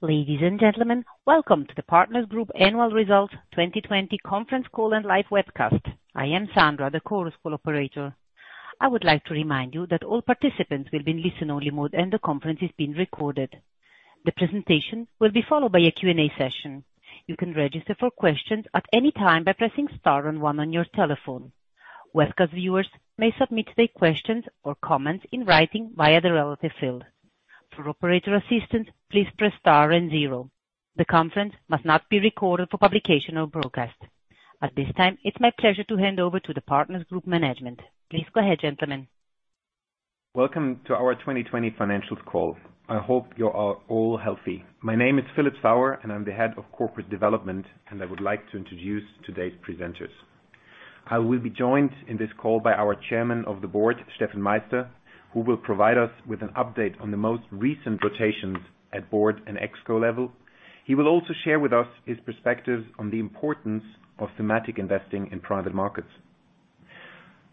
Ladies and gentlemen, Welcome to the Partners Group Annual Results 2020 conference call and live webcast. I am Sandra, the conference call operator. I would like to remind you that all participants will be in listen-only mode, and the conference is being recorded. The presentation will be followed by a Q&A session. You can register for questions at any time by pressing star and one on your telephone. Webcast viewers may submit their questions or comments in writing via the relevant field. For operator assistance, please press star and zero. The conference must not be recorded for publication or broadcast. At this time, it's my pleasure to hand over to the Partners Group management. Please go ahead, gentlemen. Welcome to our 2020 financials call. I hope you are all healthy. My name is Philip Sauer, and I am the head of corporate development, and I would like to introduce today's presenters. I will be joined in this call by our chairman of the board, Steffen Meister, who will provide us with an update on the most recent rotations at board and ExCo level. He will also share with us his perspective on the importance of thematic investing in private markets.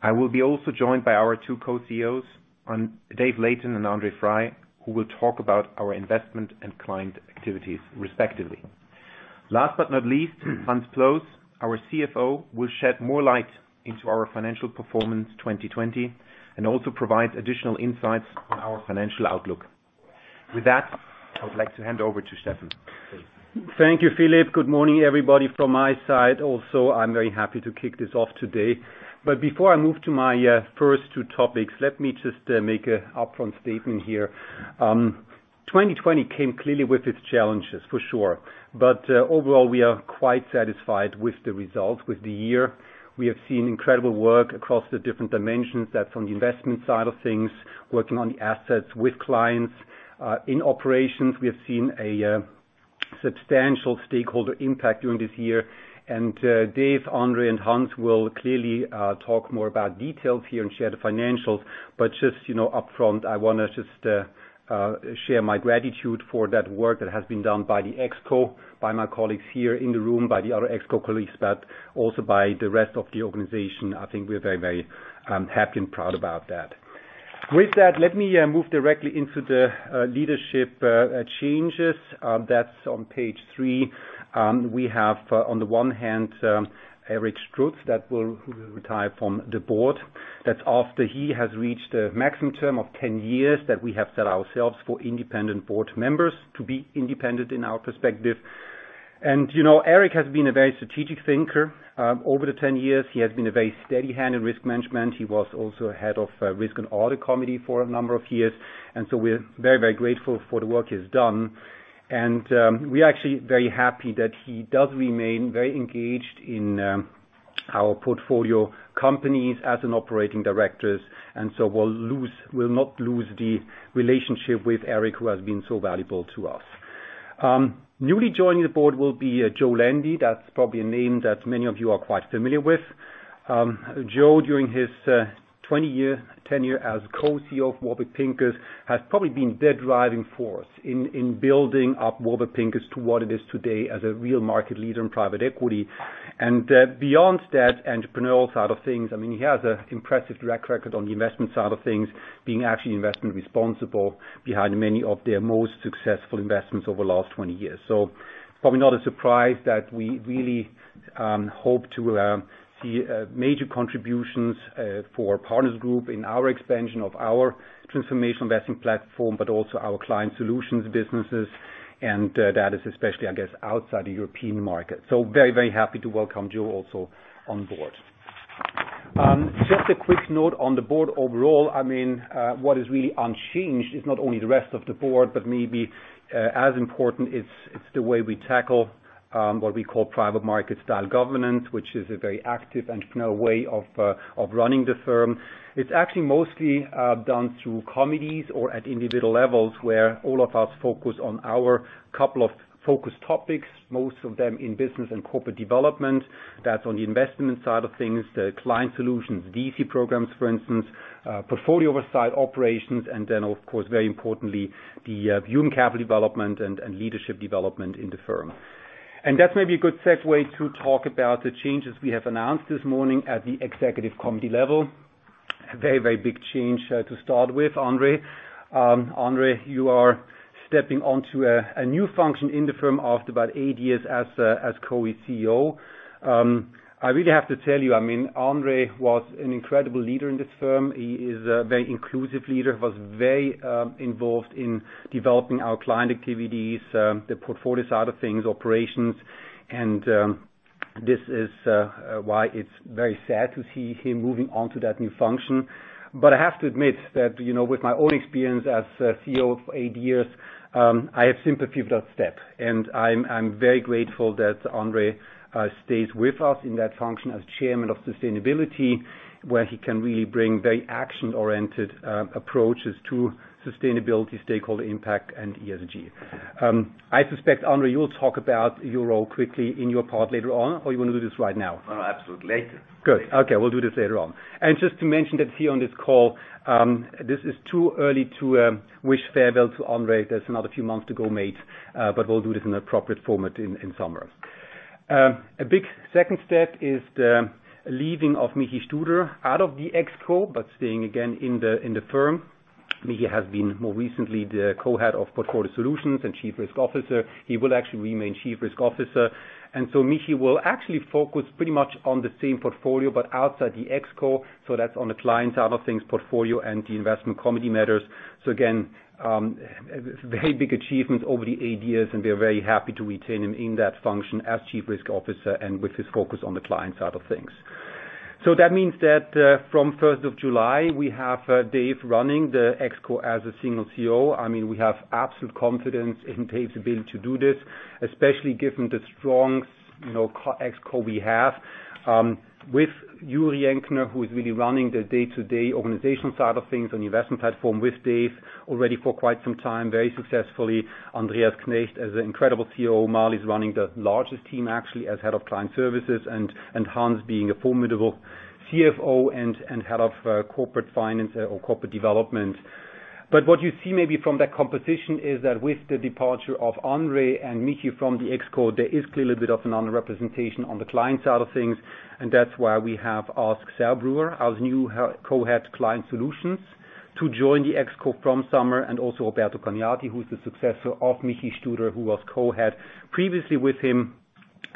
I will be also joined by our two co-CEOs, Dave Layton and André Frei, who will talk about our investment and client activities respectively. Last but not least, Hans Ploos, our CFO, will shed more light into our financial performance 2020 and also provide additional insights on our financial outlook. With that, I would like to hand over to Steffen. Please. Thank you, Philip. Good morning, everybody, from my side also. I'm very happy to kick this off today. Before I move to my first two topics, let me just make an upfront statement here. 2020 came clearly with its challenges, for sure. Overall, we are quite satisfied with the results, with the year. We have seen incredible work across the different dimensions. That's on the investment side of things, working on the assets with clients. In operations, we have seen a substantial stakeholder impact during this year. Dave, André, and Hans will clearly talk more about details here and share the financials, just upfront, I want to just share my gratitude for that work that has been done by the ExCo, by my colleagues here in the room, by the other ExCo colleagues, but also by the rest of the organization. I think we're very happy and proud about that. With that, let me move directly into the leadership changes. That's on page three. We have, on the one hand, Eric Strutz that will retire from the board. That's after he has reached the maximum term of 10 years that we have set ourselves for independent board members to be independent in our perspective. Eric has been a very strategic thinker. Over the 10 years, he has been a very steady hand in risk management. He was also head of Risk and Audit Committee for a number of years. We're very grateful for the work he's done. We're actually very happy that he does remain very engaged in our portfolio companies as an operating director, and so we'll not lose the relationship with Eric, who has been so valuable to us. Newly joining the board will be Joe Landy. That's probably a name that many of you are quite familiar with. Joe, during his 20-year tenure as Co-CEO of Warburg Pincus, has probably been the driving force in building up Warburg Pincus to what it is today as a real market leader in private equity. Beyond that entrepreneurial side of things, he has an impressive track record on the investment side of things, being actually investment responsible behind many of their most successful investments over the last 20 years. Probably not a surprise that we really hope to see major contributions for Partners Group in our expansion of our transformation investing platform, but also our client solutions businesses, and that is especially, I guess, outside the European market. Very happy to welcome Joe also on board. Just a quick note on the board overall. What is really unchanged is not only the rest of the board, but maybe as important it's the way we tackle what we call private market style governance, which is a very active entrepreneurial way of running the firm. It's actually mostly done through committees or at individual levels, where all of us focus on our couple of focus topics, most of them in business and corporate development. That's on the investment side of things, the client solutions, DC programs, for instance, portfolio oversight operations, and then, of course, very importantly, the human capital development and leadership development in the firm. That may be a good segue to talk about the changes we have announced this morning at the Executive Committee level. A very big change to start with, André, you are stepping onto a new function in the firm after about eight years as Co-CEO. I really have to tell you, André was an incredible leader in this firm. He is a very inclusive leader, was very involved in developing our client activities, the portfolio side of things, operations, and this is why it's very sad to see him moving on to that new function. But I have to admit that with my own experience as CEO for eight years, I have sympathy for that step, and I'm very grateful that André stays with us in that function as chairman of sustainability, where he can really bring very action-oriented approaches to sustainability, stakeholder impact, and ESG. I suspect, André, you will talk about your role quickly in your part later on, or you want to do this right now? No, absolutely. Later. Good. Okay, we'll do this later on. Just to mention that here on this call, this is too early to wish farewell to André. There's another few months to go, mate, but we'll do this in an appropriate format in summer. A big second step is the leaving of Michael Studer out of the ExCo, but staying again in the firm. Michael has been more recently the Co-Head of Portfolio Solutions and Chief Risk Officer. He will actually remain Chief Risk Officer. Michael will actually focus pretty much on the same portfolio, but outside the ExCo, so that's on the client side of things, portfolio and the investment committee matters. Again, very big achievement over the eight years, and we are very happy to retain him in that function as Chief Risk Officer and with his focus on the client side of things. That means that from 1st of July, we have Dave running the ExCo as a single CEO. We have absolute confidence in Dave's ability to do this, especially given the strong ExCo we have, with Juri Jenkner, who is really running the day-to-day organizational side of things on the investment platform with Dave already for quite some time, very successfully. Andreas Knecht as an incredible COO. Marlis' running the largest team actually as Head of Client Services. Hans being a formidable CFO and Head of Corporate Finance or Head of Corporate Development. What you see maybe from that composition is that with the departure of Andre and Michi from the ExCo, there is clearly a bit of an under-representation on the client side of things, and that's why we have asked Sarah Brewer, our new Co-Head Client Solutions, to join the ExCo from summer, and also Roberto Cagnati, who is the successor of Michael Studer, who was co-head previously with him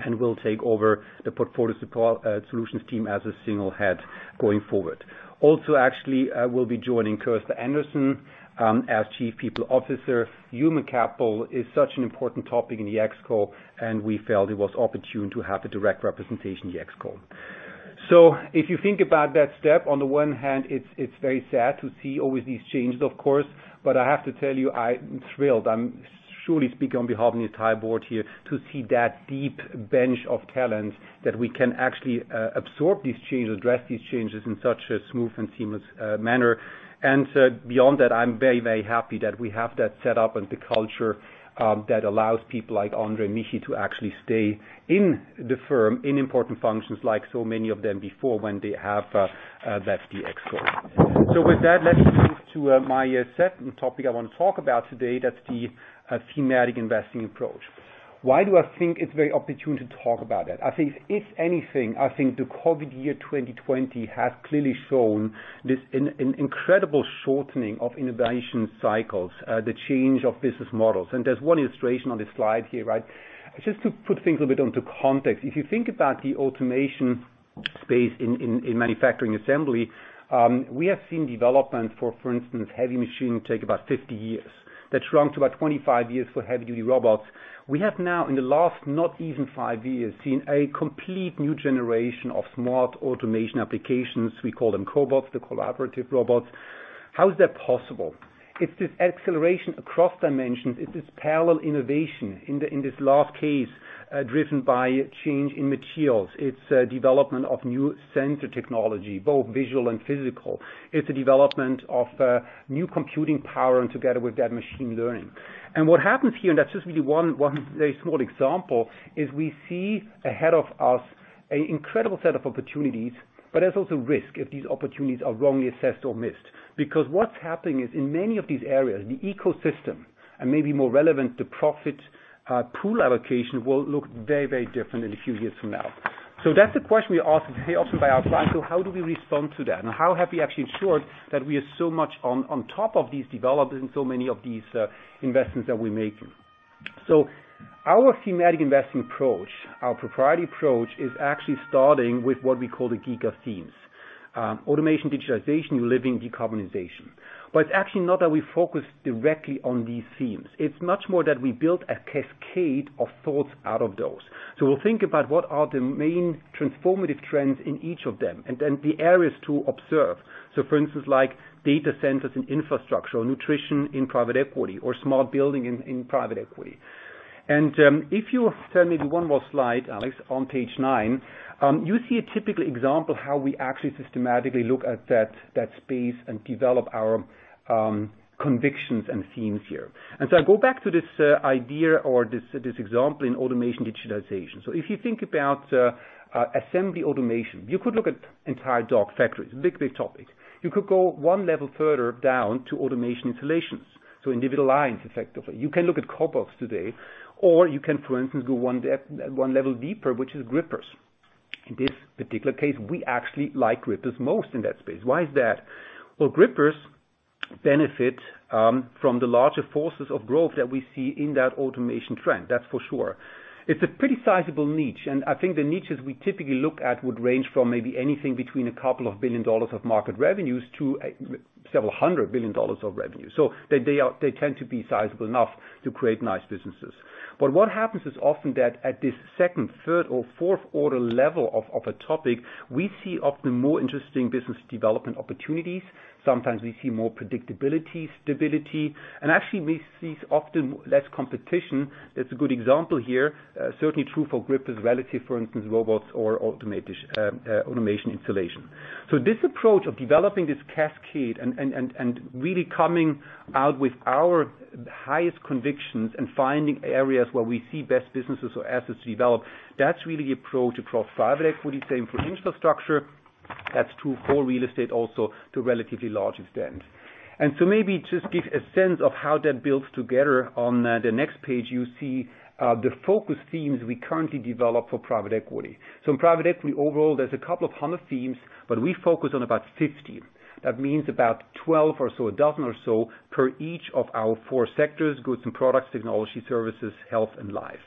and will take over the Portfolio Solutions team as a single head going forward. Also actually will be joining Kirsta Anderson, as Chief People Officer. Human capital is such an important topic in the ExCo, and we felt it was opportune to have a direct representation in the ExCo. If you think about that step, on the one hand, it's very sad to see always these changes, of course, but I have to tell you, I'm thrilled. I'm surely speaking on behalf of the entire board here to see that deep bench of talent that we can actually absorb these changes, address these changes in such a smooth and seamless manner. Beyond that, I'm very happy that we have that set-up and the culture that allows people like André and Michi to actually stay in the firm in important functions like so many of them before when they have left the ExCo. With that, let me move to my second topic I want to talk about today. That's the thematic investing approach. Why do I think it's very opportune to talk about that? I think if anything, the COVID year 2020 has clearly shown this incredible shortening of innovation cycles, the change of business models. There's one illustration on this slide here. Just to put things a bit into context, if you think about the automation space in manufacturing assembly, we have seen development for instance, heavy machining take about 50 years. That shrunk to about 25 years for heavy-duty robots. We have now, in the last not even five years, seen a complete new generation of smart automation applications. We call them Cobots, the Collaborative Robots. How is that possible? It's this acceleration across dimensions. It's this parallel innovation in this last case, driven by change in materials. It's development of new sensor technology, both visual and physical. It's the development of new computing power and together with that, machine learning. What happens here, and that's just really one very small example, is we see ahead of us an incredible set of opportunities, but there's also risk if these opportunities are wrongly assessed or missed. What's happening is in many of these areas, the ecosystem and maybe more relevant, the profit pool allocation will look very different in a few years from now. That's the question we are asked very often by our clients. How do we respond to that? How have we actually ensured that we are so much on top of these developments in so many of these investments that we're making? Our thematic investing approach, our proprietary approach, is actually starting with what we call the GIGA themes: automation, digitization, new living, decarbonization. It's actually not that we focus directly on these themes. It's much more that we build a cascade of thoughts out of those. We'll think about what are the main transformative trends in each of them, and then the areas to observe. For instance, like data centers in infrastructure or nutrition in private equity or smart building in private equity. If you turn maybe one more slide, Alex, on page nine, you see a typical example how we actually systematically look at that space and develop our convictions and themes here. I go back to this idea or this example in automation digitization. If you think about assembly automation, you could look at entire dark factories, big topic. You could go one level further down to automation installations, so individual lines, effectively. You can look at Cobots today, or you can, for instance, go one level deeper, which is grippers. In this particular case, we actually like grippers most in that space. Why is that? Well, grippers benefit from the larger forces of growth that we see in that automation trend, that's for sure. It's a pretty sizable niche. I think the niches we typically look at would range from maybe anything between a couple of billion CHF of market revenues to several hundred billion CHF of revenue. They tend to be sizable enough to create nice businesses. What happens is often that at this second, third, or fourth order level of a topic, we see often more interesting business development opportunities. Sometimes we see more predictability, stability, and actually we see often less competition. That's a good example here. Certainly true for grippers relative, for instance, robots or automation installation. This approach of developing this cascade and really coming out with our highest convictions and finding areas where we see best businesses or assets develop, that's really the approach across private equity, same for infrastructure. That's true for real estate also to a relatively large extent. Maybe just give a sense of how that builds together. On the next page, you see the focus themes we currently develop for private equity. In private equity overall, there's a couple of hundred themes, but we focus on about 50. That means about 12 or so, a dozen or so, per each of our four sectors: goods and products, technology services, health, and life.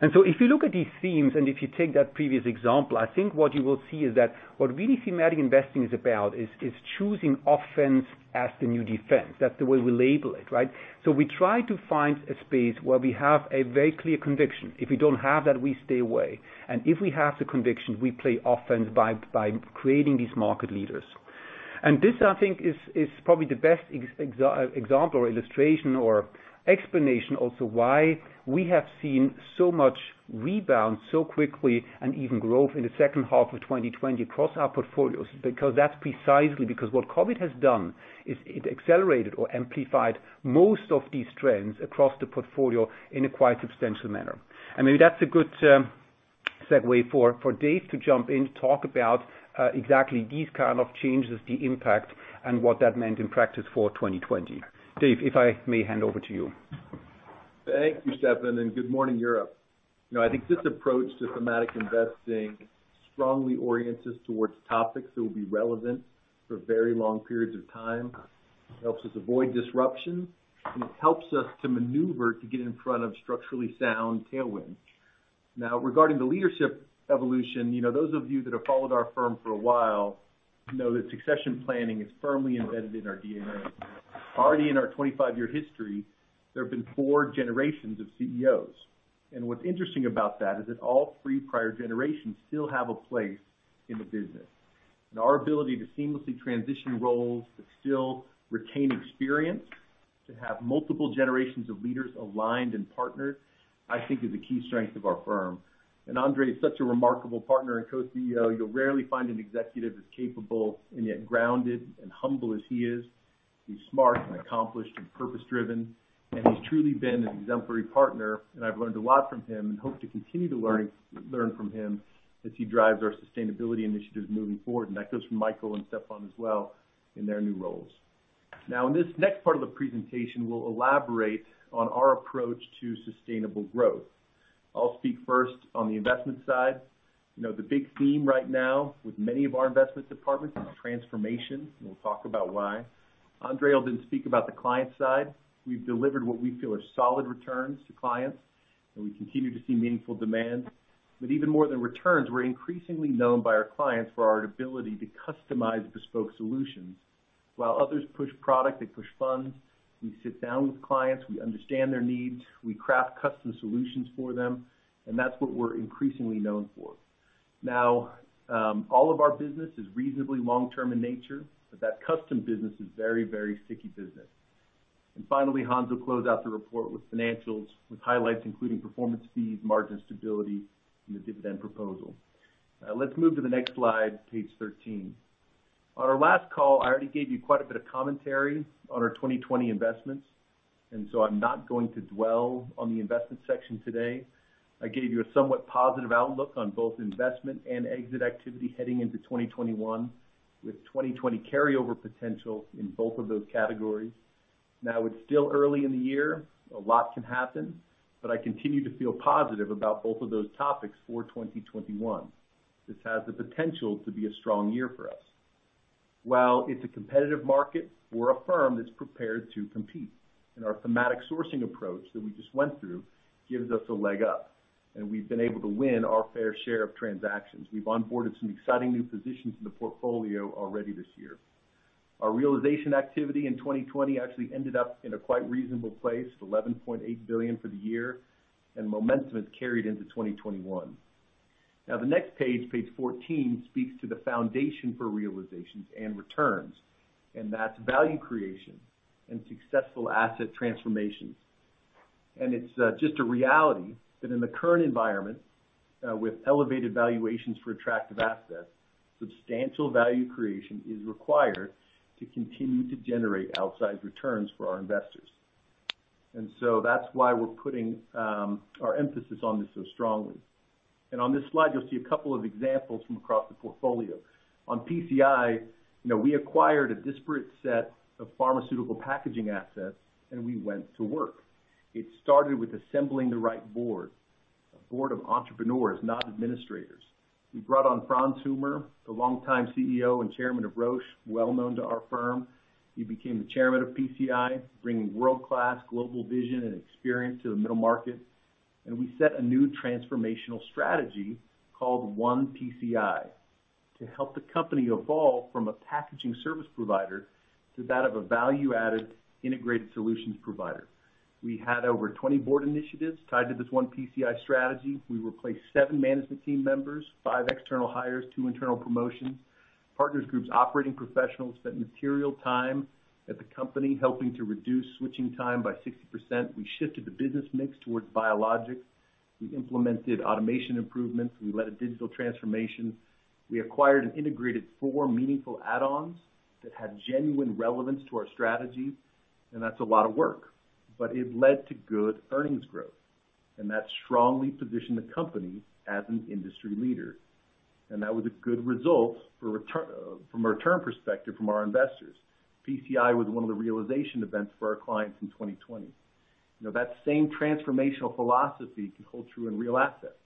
If you look at these themes, and if you take that previous example, I think what you will see is that what really thematic investing is about is choosing offense as the new defense. That's the way we label it, right? We try to find a space where we have a very clear conviction. If we don't have that, we stay away. If we have the conviction, we play offense by creating these market leaders. This, I think, is probably the best example or illustration or explanation also why we have seen so much rebound so quickly and even growth in the second half of 2020 across our portfolios, because that's precisely because what COVID has done is it accelerated or amplified most of these trends across the portfolio in a quite substantial manner. Maybe that's a good segue for Dave to jump in to talk about exactly these kind of changes, the impact, and what that meant in practice for 2020. Dave, if I may hand over to you. Thank you, Steffen, and good morning, Europe. I think this approach to thematic investing strongly orients us towards topics that will be relevant for very long periods of time. It helps us avoid disruption. It helps us to maneuver to get in front of structurally sound tailwinds. Now, regarding the leadership evolution, those of you that have followed our firm for a while know that succession planning is firmly embedded in our DNA. Already in our 25-year history, there have been four generations of CEOs. What's interesting about that is that all three prior generations still have a place in the business. Our ability to seamlessly transition roles, but still retain experience to have multiple generations of leaders aligned and partnered, I think is a key strength of our firm. André is such a remarkable partner and co-CEO. You'll rarely find an executive as capable and yet grounded and humble as he is. He's smart and accomplished and purpose-driven. He's truly been an exemplary partner, and I've learned a lot from him and hope to continue to learn from him as he drives our sustainability initiatives moving forward. That goes for Michael and Steffen as well in their new roles. In this next part of the presentation, we'll elaborate on our approach to sustainable growth. I'll speak first on the investment side. The big theme right now with many of our investment departments is transformation. We'll talk about why. André will speak about the client side. We've delivered what we feel are solid returns to clients. We continue to see meaningful demand. Even more than returns, we're increasingly known by our clients for our ability to customize bespoke solutions. While others push product and push funds, we sit down with clients, we understand their needs, we craft custom solutions for them, that's what we're increasingly known for. All of our business is reasonably long-term in nature, but that custom business is very sticky business. Finally, Hans will close out the report with financials, with highlights including performance fees, margin stability, and the dividend proposal. Let's move to the next slide, page 13. On our last call, I already gave you quite a bit of commentary on our 2020 investments, I'm not going to dwell on the investment section today. I gave you a somewhat positive outlook on both investment and exit activity heading into 2021, with 2020 carryover potential in both of those categories. It's still early in the year. A lot can happen. I continue to feel positive about both of those topics for 2021. This has the potential to be a strong year for us. While it's a competitive market, we're a firm that's prepared to compete, and our thematic sourcing approach that we just went through gives us a leg up, and we've been able to win our fair share of transactions. We've onboarded some exciting new positions in the portfolio already this year. Our realization activity in 2020 actually ended up in a quite reasonable place, $11.8 billion for the year, and momentum is carried into 2021. The next page 14, speaks to the foundation for realizations and returns, and that's value creation and successful asset transformations. It's just a reality that in the current environment, with elevated valuations for attractive assets, substantial value creation is required to continue to generate outsized returns for our investors. That's why we're putting our emphasis on this so strongly. On this slide, you'll see a couple of examples from across the portfolio. On PCI, we acquired a disparate set of pharmaceutical packaging assets, and we went to work. It started with assembling the right board, a board of entrepreneurs, not administrators. We brought on Franz Humer, the longtime CEO and Chairman of Roche, well known to our firm. He became the Chairman of PCI, bringing world-class global vision and experience to the middle market. We set a new transformational strategy called One PCI to help the company evolve from a packaging service provider to that of a value-added integrated solutions provider. We had over 20 board initiatives tied to this One PCI strategy. We replaced seven management team members, five external hires, two internal promotions. Partners Group's operating professionals spent material time at the company helping to reduce switching time by 60%. We shifted the business mix towards biologics. We implemented automation improvements. We led a digital transformation. We acquired and integrated four meaningful add-ons that had genuine relevance to our strategy, and that's a lot of work, but it led to good earnings growth. That strongly positioned the company as an industry leader. That was a good result from a return perspective from our investors. PCI was one of the realization events for our clients in 2020. That same transformational philosophy can hold true in real assets.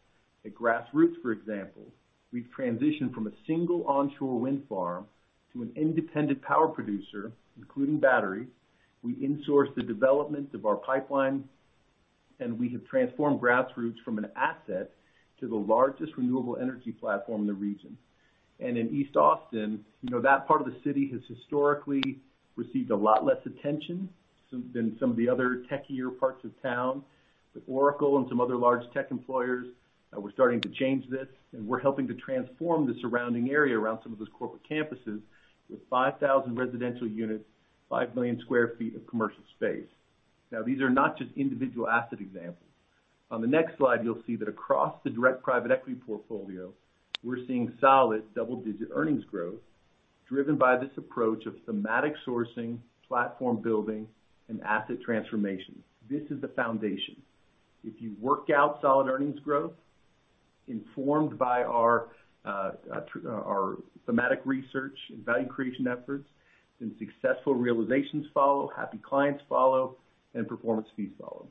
At Grassroots, for example, we've transitioned from a single onshore wind farm to an independent power producer, including battery. We insourced the development of our pipeline, and we have transformed Grassroots from an asset to the largest renewable energy platform in the region. In East Austin, that part of the city has historically received a lot less attention than some of the other techier parts of town. With Oracle and some other large tech employers, we're starting to change this, and we're helping to transform the surrounding area around some of those corporate campuses with 5,000 residential units, 5 million square feet of commercial space. These are not just individual asset examples. On the next slide, you'll see that across the direct private equity portfolio, we're seeing solid double-digit earnings growth driven by this approach of thematic sourcing, platform building, and asset transformation. This is the foundation. If you work out solid earnings growth, informed by our thematic research and value creation efforts, then successful realizations follow, happy clients follow, and performance fees follow.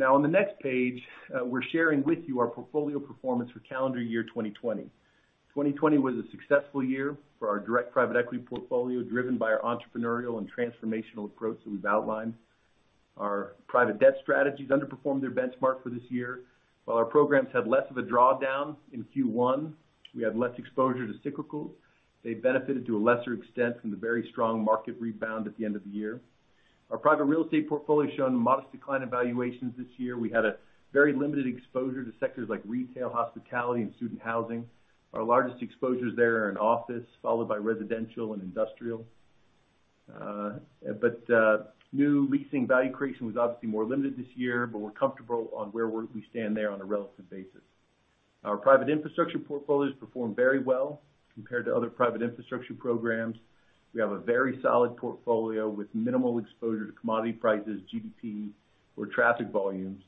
On the next page, we're sharing with you our portfolio performance for calendar year 2020. 2020 was a successful year for our direct private equity portfolio, driven by our entrepreneurial and transformational approach that we've outlined. Our private debt strategies underperformed their benchmark for this year. While our programs had less of a drawdown in Q1, we had less exposure to cyclicals. They benefited to a lesser extent from the very strong market rebound at the end of the year. Our private real estate portfolio has shown a modest decline in valuations this year. We had a very limited exposure to sectors like retail, hospitality, and student housing. Our largest exposures there are in office, followed by residential and industrial. New leasing value creation was obviously more limited this year, but we're comfortable on where we stand there on a relative basis. Our private infrastructure portfolios performed very well compared to other private infrastructure programs. We have a very solid portfolio with minimal exposure to commodity prices, GDP, or traffic volumes.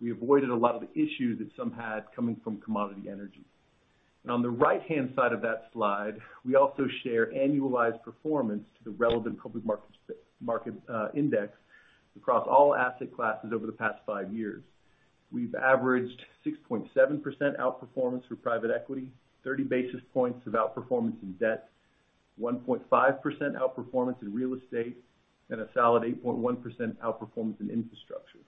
We avoided a lot of the issues that some had coming from commodity energy. Now, on the right-hand side of that slide, we also share annualized performance to the relevant public market index across all asset classes over the past five years. We've averaged 6.7% outperformance for private equity, 30 basis points of outperformance in debt, 1.5% outperformance in real estate, and a solid 8.1% outperformance in infrastructure.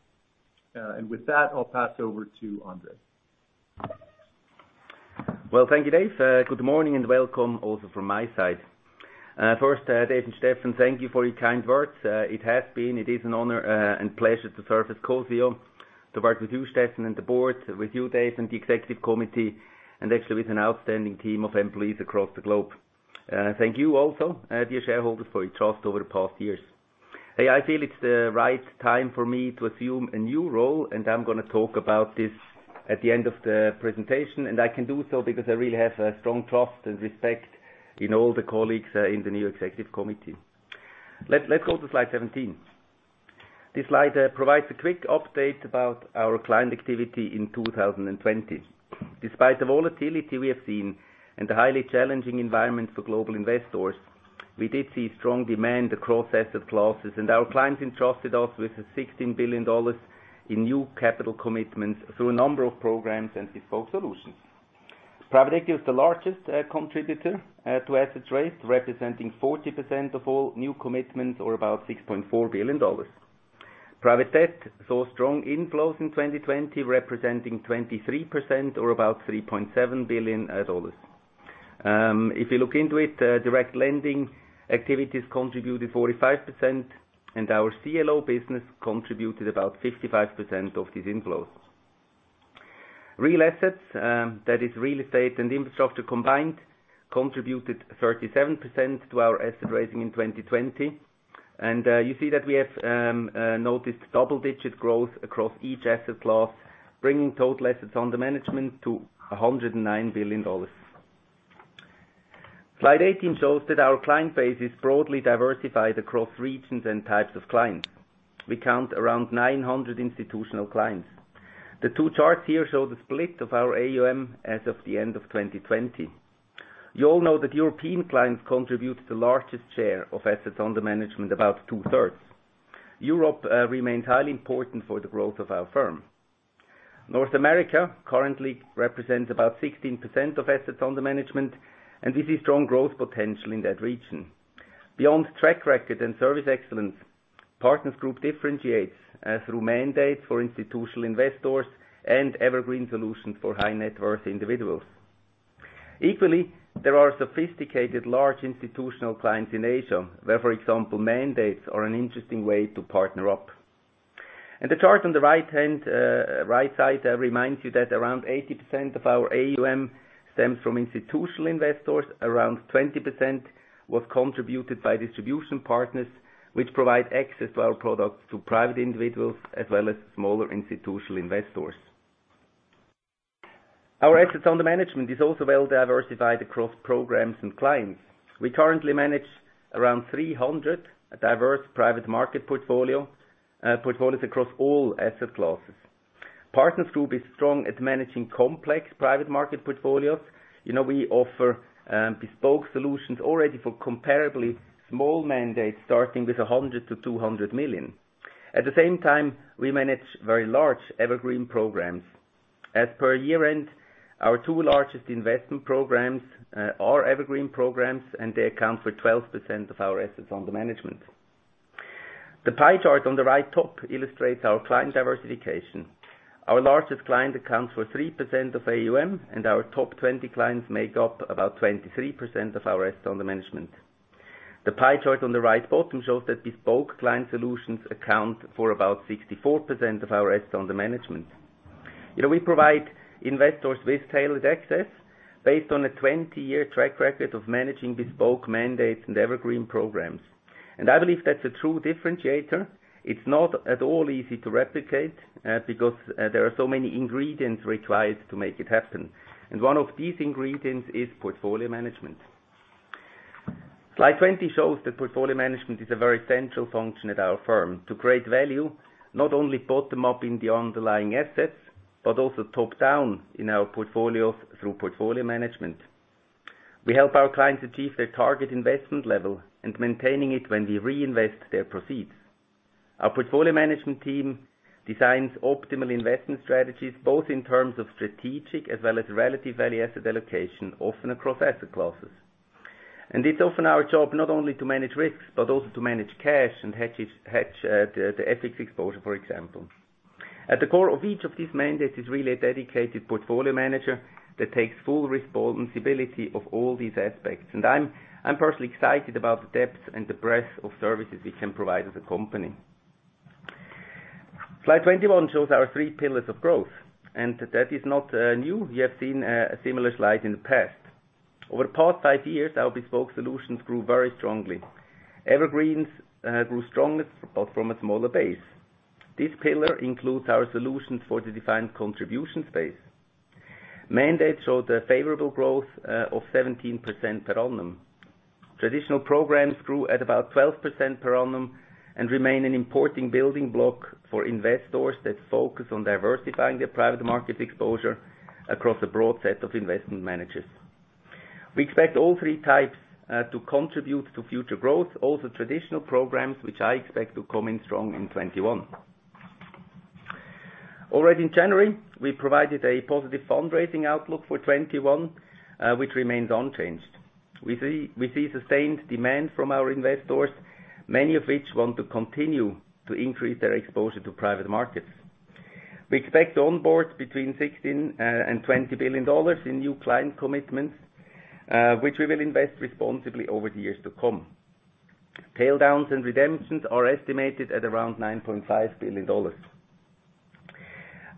With that, I'll pass over to André. Thank you, Dave. Good morning and welcome also from my side. First, Dave and Steffen, thank you for your kind words. It is an honor and pleasure to serve as co-CEO, to work with you, Steffen, and the Board, with you, Dave, and the Executive Committee, actually with an outstanding team of employees across the globe. Thank you also, dear shareholders, for your trust over the past years. I feel it's the right time for me to assume a new role, I'm going to talk about this at the end of the presentation, I can do so because I really have a strong trust and respect in all the colleagues in the new Executive Committee. Let's go to slide 17. This slide provides a quick update about our client activity in 2020. Despite the volatility we have seen and the highly challenging environment for global investors, our clients entrusted us with $16 billion in new capital commitments through a number of programs and bespoke solutions. Private equity was the largest contributor to asset raising, representing 40% of all new commitments or about $6.4 billion. Private debt saw strong inflows in 2020, representing 23% or about $3.7 billion. If you look into it, direct lending activities contributed 45%. Our CLO business contributed about 55% of these inflows. Real assets, that is real estate and infrastructure combined, contributed 37% to our asset raising in 2020. You see that we have noticed double-digit growth across each asset class, bringing total assets under management to $109 billion. Slide 18 shows that our client base is broadly diversified across regions and types of clients. We count around 900 institutional clients. The two charts here show the split of our AUM as of the end of 2020. You all know that European clients contribute the largest share of assets under management, about 2/3. Europe remains highly important for the growth of our firm. North America currently represents about 16% of assets under management, and we see strong growth potential in that region. Beyond track record and service excellence, Partners Group differentiates through mandates for institutional investors and evergreen solutions for high net worth individuals. Equally, there are sophisticated large institutional clients in Asia where, for example, mandates are an interesting way to partner up. The chart on the right side reminds you that around 80% of our AUM stems from institutional investors. Around 20% was contributed by distribution partners, which provide access to our products to private individuals as well as smaller institutional investors. Our assets under management is also well diversified across programs and clients. We currently manage around 300 diverse private market portfolios across all asset classes. Partners Group is strong at managing complex private market portfolios. We offer bespoke solutions already for comparably small mandates, starting with 100 million-200 million. At the same time, we manage very large evergreen programs. As per year-end, our two largest investment programs are evergreen programs, and they account for 12% of our assets under management. The pie chart on the right top illustrates our client diversification. Our largest client accounts for 3% of AUM, and our top 20 clients make up about 23% of our assets under management. The pie chart on the right bottom shows that bespoke client solutions account for about 64% of our assets under management. We provide investors with tailored access based on a 20-year track record of managing bespoke mandates and evergreen programs. I believe that's a true differentiator. It's not at all easy to replicate because there are so many ingredients required to make it happen. One of these ingredients is portfolio management. Slide 20 shows that portfolio management is a very central function at our firm to create value, not only bottom-up in the underlying assets, but also top-down in our portfolios through portfolio management. We help our clients achieve their target investment level and maintaining it when we reinvest their proceeds. Our portfolio management team designs optimal investment strategies, both in terms of strategic as well as relative value asset allocation, often across asset classes. It's often our job not only to manage risks, but also to manage cash and hedge the FX exposure, for example. At the core of each of these mandates is really a dedicated portfolio manager that takes full responsibility of all these aspects. I'm personally excited about the depth and the breadth of services we can provide as a company. Slide 21 shows our three pillars of growth. That is not new. We have seen a similar slide in the past. Over the past five years, our bespoke solutions grew very strongly. Evergreens grew strongest, but from a smaller base. This pillar includes our solutions for the defined contribution space. Mandates showed a favorable growth of 17% per annum. Traditional programs grew at about 12% per annum and remain an important building block for investors that focus on diversifying their private market exposure across a broad set of investment managers. We expect all three types to contribute to future growth, also traditional programs, which I expect to come in strong in 2021. Already in January, we provided a positive fundraising outlook for 2021, which remains unchanged. We see sustained demand from our investors, many of which want to continue to increase their exposure to private markets. We expect to onboard between 16 billion and CHF 20 billion in new client commitments, which we will invest responsibly over the years to come. Paydowns and redemptions are estimated at around CHF 9.5 billion.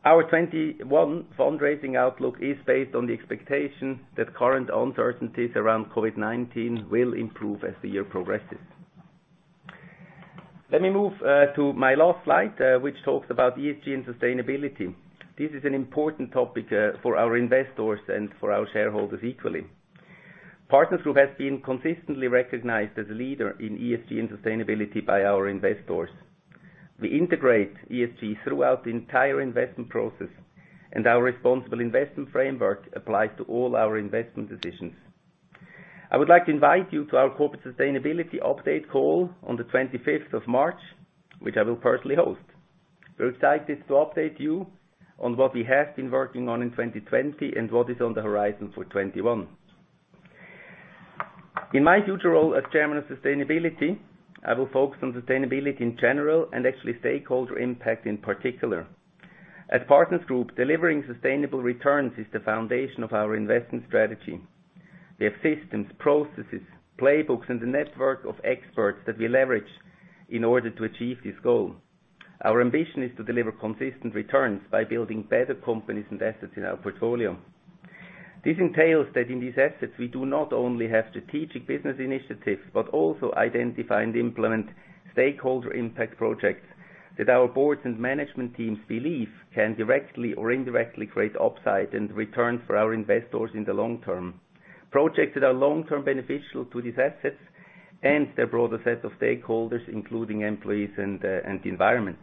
Our 2021 fundraising outlook is based on the expectation that current uncertainties around COVID-19 will improve as the year progresses. Let me move to my last slide, which talks about ESG and sustainability. This is an important topic for our investors and for our shareholders equally. Partners Group has been consistently recognized as a leader in ESG and sustainability by our investors. We integrate ESG throughout the entire investment process, and our responsible investment framework applies to all our investment decisions. I would like to invite you to our corporate sustainability update call on the 25th of March, which I will personally host. We're excited to update you on what we have been working on in 2020 and what is on the horizon for 2021. In my future role as Chairman of Sustainability, I will focus on sustainability in general and actually stakeholder impact in particular. At Partners Group, delivering sustainable returns is the foundation of our investment strategy. We have systems, processes, playbooks, and a network of experts that we leverage in order to achieve this goal. Our ambition is to deliver consistent returns by building better companies and assets in our portfolio. This entails that in these assets, we do not only have strategic business initiatives, but also identify and implement stakeholder impact projects that our boards and management teams believe can directly or indirectly create upside and returns for our investors in the long term. Projects that are long term beneficial to these assets and their broader set of stakeholders, including employees and the environment.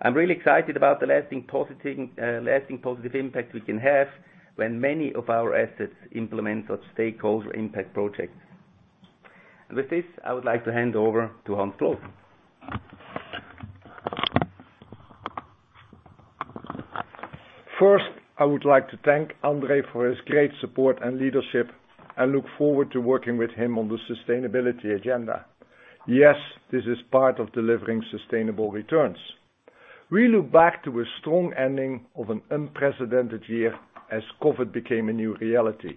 I'm really excited about the lasting positive impact we can have when many of our assets implement such stakeholder impact projects. With this, I would like to hand over to Hans Ploos. First, I would like to thank André for his great support and leadership, and look forward to working with him on the sustainability agenda. Yes, this is part of delivering sustainable returns. We look back to a strong ending of an unprecedented year as COVID became a new reality,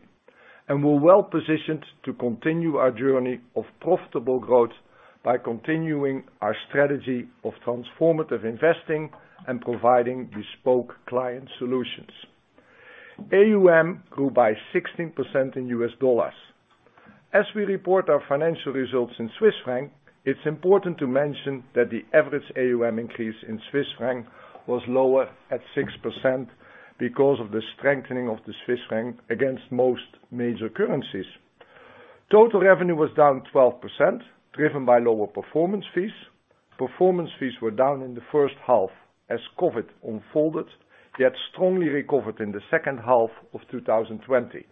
and we're well positioned to continue our journey of profitable growth by continuing our strategy of transformative investing and providing bespoke client solutions. AUM grew by 16% in US dollars. As we report our financial results in Swiss franc, it's important to mention that the average AUM increase in Swiss franc was lower at 6% because of the strengthening of the Swiss franc against most major currencies. Total revenue was down 12%, driven by lower performance fees. Performance fees were down in the first half as COVID unfolded, yet strongly recovered in the second half of 2020.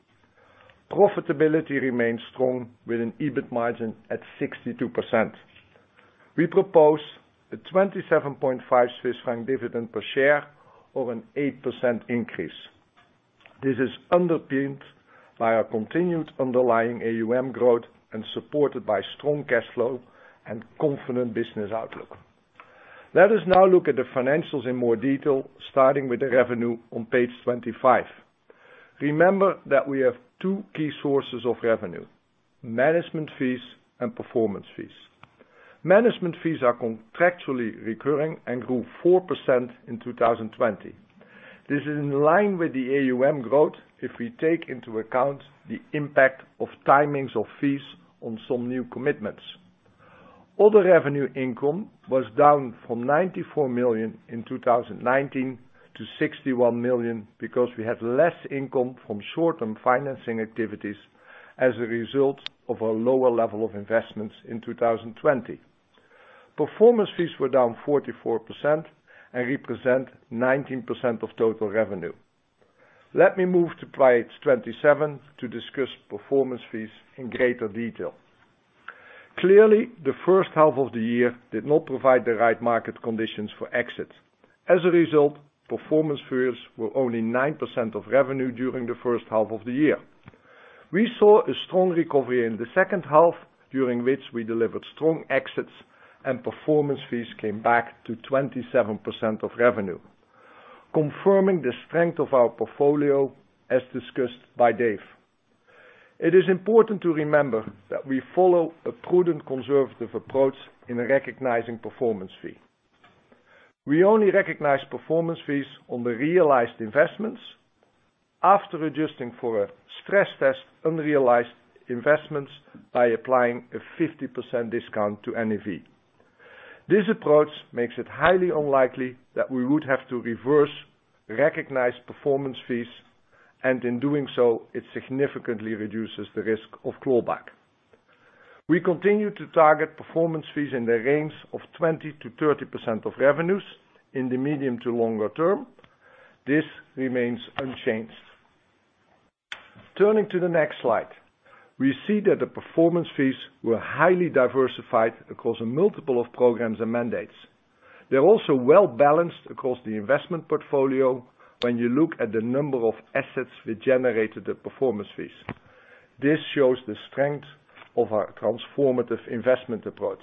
Profitability remains strong, with an EBIT margin at 62%. We propose a 27.5 Swiss franc dividend per share, or an 8% increase. This is underpinned by our continued underlying AUM growth and supported by strong cash flow and confident business outlook. Let us now look at the financials in more detail, starting with the revenue on page 25. Remember that we have two key sources of revenue, management fees and performance fees. Management fees are contractually recurring and grew 4% in 2020. This is in line with the AUM growth if we take into account the impact of timings of fees on some new commitments. Other revenue income was down from 94 million in 2019 to 61 million because we had less income from short-term financing activities as a result of a lower level of investments in 2020. Performance fees were down 44% and represent 19% of total revenue. Let me move to page 27 to discuss performance fees in greater detail. Clearly, the first half of the year did not provide the right market conditions for exits. As a result, performance fees were only 9% of revenue during the first half of the year. We saw a strong recovery in the second half, during which we delivered strong exits and performance fees came back to 27% of revenue, confirming the strength of our portfolio as discussed by Dave. It is important to remember that we follow a prudent conservative approach in recognizing performance fee. We only recognize performance fees on the realized investments after adjusting for a stress test unrealized investments by applying a 50% discount to NAV. This approach makes it highly unlikely that we would have to reverse recognized performance fees, and in doing so, it significantly reduces the risk of clawback. We continue to target performance fees in the range of 20%-30% of revenues in the medium to longer term. This remains unchanged. Turning to the next slide, we see that the performance fees were highly diversified across a multiple of programs and mandates. They're also well-balanced across the investment portfolio when you look at the number of assets which generated the performance fees. This shows the strength of our transformative investment approach.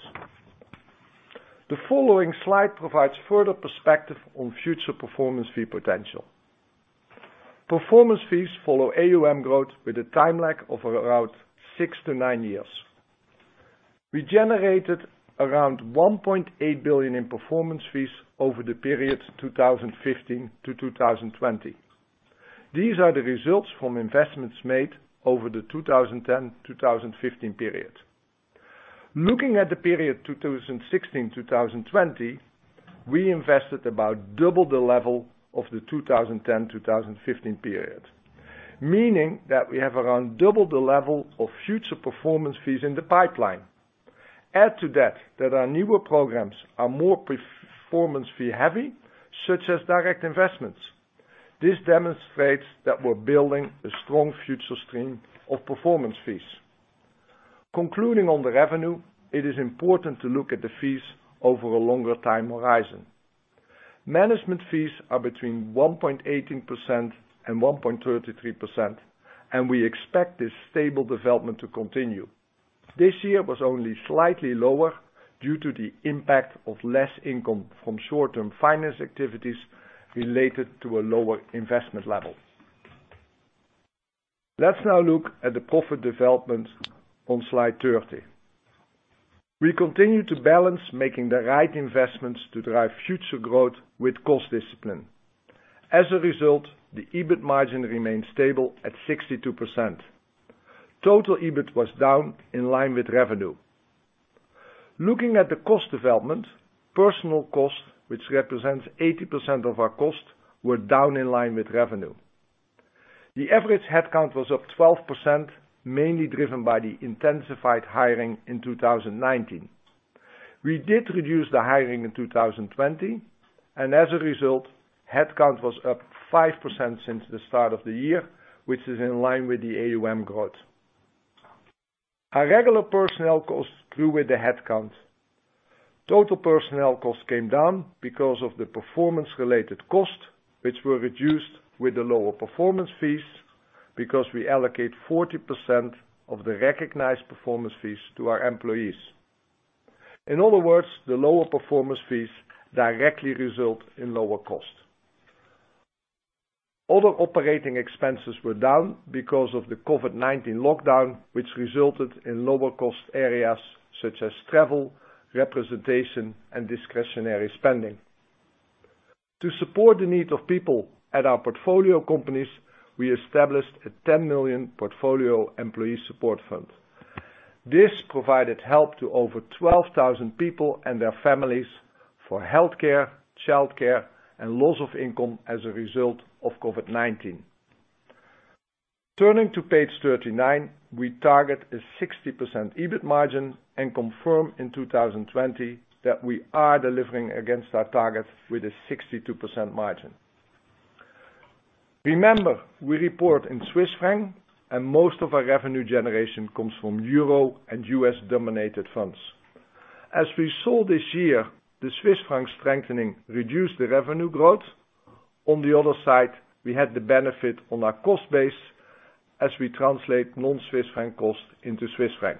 The following slide provides further perspective on future performance fee potential. Performance fees follow AUM growth with a time lag of around six-nine years. We generated around 1.8 billion in performance fees over the period 2015-2020. These are the results from investments made over the 2010-2015 period. Looking at the period 2016-2020, we invested about double the level of the 2010-2015 period, meaning that we have around double the level of future performance fees in the pipeline. Add to that our newer programs are more performance fee heavy, such as direct investments. This demonstrates that we're building a strong future stream of performance fees. Concluding on the revenue, it is important to look at the fees over a longer time horizon. Management fees are between 1.18% and 1.33%, and we expect this stable development to continue. This year was only slightly lower due to the impact of less income from short-term finance activities related to a lower investment level. Let's now look at the profit development on slide 30. We continue to balance making the right investments to drive future growth with cost discipline. As a result, the EBIT margin remains stable at 62%. Total EBIT was down in line with revenue. Looking at the cost development, personnel costs, which represents 80% of our costs, were down in line with revenue. The average headcount was up 12%, mainly driven by the intensified hiring in 2019. We did reduce the hiring in 2020, and as a result, headcount was up 5% since the start of the year, which is in line with the AUM growth. Our regular personnel costs grew with the headcount. Total personnel costs came down because of the performance-related costs, which were reduced with the lower performance fees because we allocate 40% of the recognized performance fees to our employees. In other words, the lower performance fees directly result in lower cost. Other operating expenses were down because of the COVID-19 lockdown, which resulted in lower cost areas such as travel, representation, and discretionary spending. To support the need of people at our portfolio companies, we established a 10 million Portfolio Employee Support Fund. This provided help to over 12,000 people and their families for healthcare, childcare, and loss of income as a result of COVID-19. Turning to page 39, we target a 60% EBIT margin and confirm in 2020 that we are delivering against our targets with a 62% margin. Remember, we report in Swiss Franc and most of our revenue generation comes from EUR and USD-dominated funds. As we saw this year, the Swiss Franc strengthening reduced the revenue growth. On the other side, we had the benefit on our cost base as we translate non-Swiss Franc cost into Swiss Franc.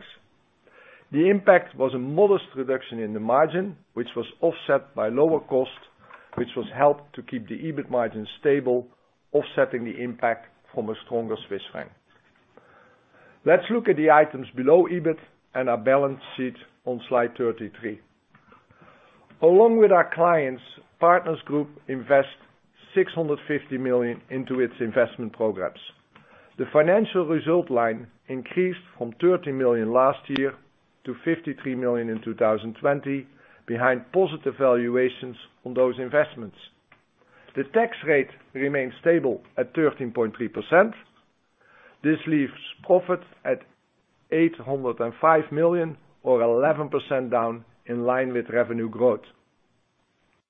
The impact was a modest reduction in the margin, which was offset by lower cost, which was helped to keep the EBIT margin stable, offsetting the impact from a stronger Swiss franc. Let's look at the items below EBIT and our balance sheet on slide 33. Along with our clients, Partners Group invest 650 million into its investment programs. The financial result line increased from 30 million last year to 53 million in 2020 behind positive valuations on those investments. The tax rate remains stable at 13.3%. This leaves profit at 805 million or 11% down in line with revenue growth.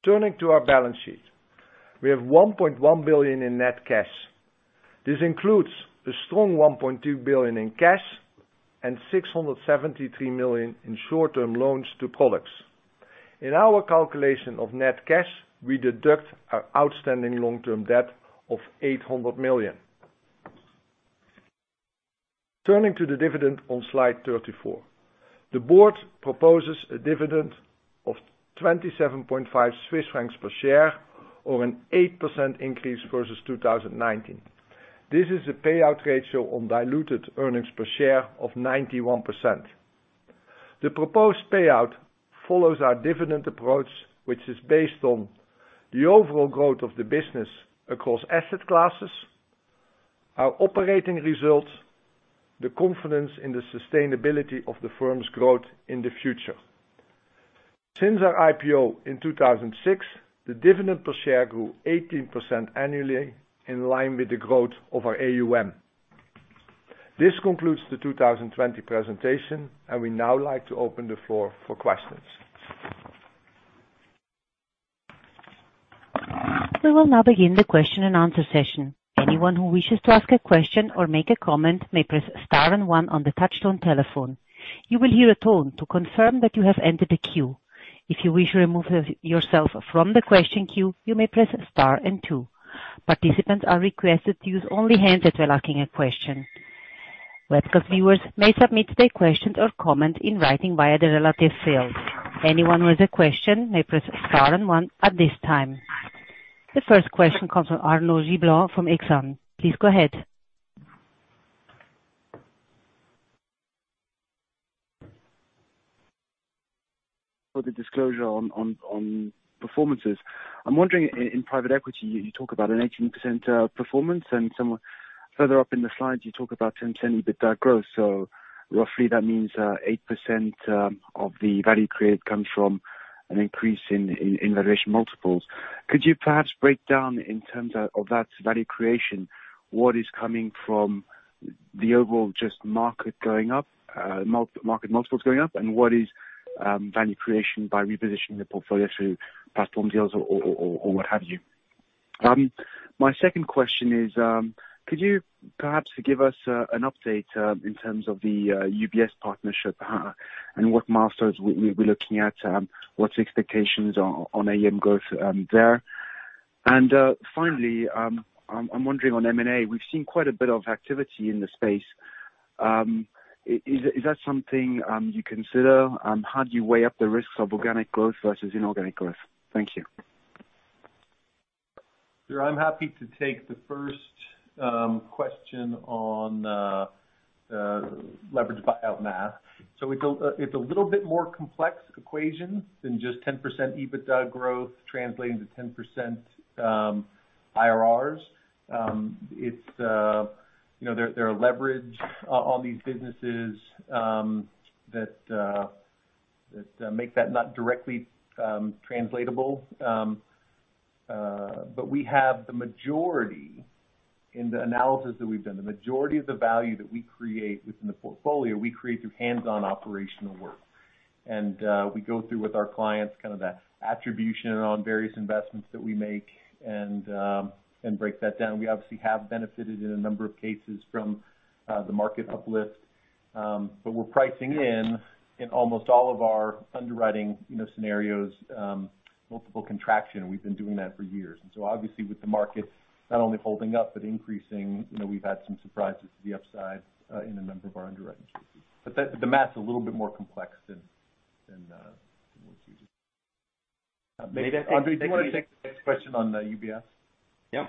Turning to our balance sheet, we have 1.1 billion in net cash. This includes a strong 1.2 billion in cash and 673 million in short-term loans to products. In our calculation of net cash, we deduct our outstanding long-term debt of 800 million. Turning to the dividend on slide 34. The board proposes a dividend of 27.5 Swiss francs per share or an 8% increase versus 2019. This is a payout ratio on diluted earnings per share of 91%. The proposed payout follows our dividend approach, which is based on the overall growth of the business across asset classes, our operating results, the confidence in the sustainability of the firm's growth in the future. Since our IPO in 2006, the dividend per share grew 18% annually in line with the growth of our AUM. This concludes the 2020 presentation, and we now like to open the floor for questions. We will now begin the question and answer session. Anyone who wishes to ask a question or make a comment may press star and one on the touch-tone telephone. You will hear a tone to confirm that you have entered the queue. If you wish to remove yourself from the question queue, you may press star and two. Participants are requested to use only handsets in asking a question. Webcast consumers may submit their questions or comments in writing via the relevant field. Anyone with a question may press star and one at this time. The first question comes from Arnaud Giblat from Exane. Please go ahead. For the disclosure on performances. I'm wondering, in private equity, you talk about an 18% performance and somewhat further up in the slides you talk about 10% EBITDA growth. Roughly that means 8% of the value created comes from an increase in valuation multiples. Could you perhaps break down in terms of that value creation, what is coming from the overall just market going up, market multiples going up, and what is value creation by repositioning the portfolio through platform deals or what have you? My second question is could you perhaps give us an update in terms of the UBS partnership and what milestones we'll be looking at? What's the expectations on AUM growth there? Finally, I'm wondering on M&A, we've seen quite a bit of activity in the space. Is that something you consider? How do you weigh up the risks of organic growth versus inorganic growth? Thank you. I'm happy to take the first question on leverage buyout math. It's a little bit more complex equation than just 10% EBITDA growth translating to 10% IRRs. There are leverage on these businesses that make that not directly translatable. We have the majority in the analysis that we've done, the majority of the value that we create within the portfolio, we create through hands-on operational work. We go through with our clients kind of the attribution on various investments that we make and break that down. We obviously have benefited in a number of cases from the market uplift. We're pricing in almost all of our underwriting scenarios multiple contraction. We've been doing that for years. Obviously with the market not only holding up but increasing, we've had some surprises to the upside in a number of our underwriting choices. The math's a little bit more complex than what you just said. André, do you want to take the next question on UBS? Yeah.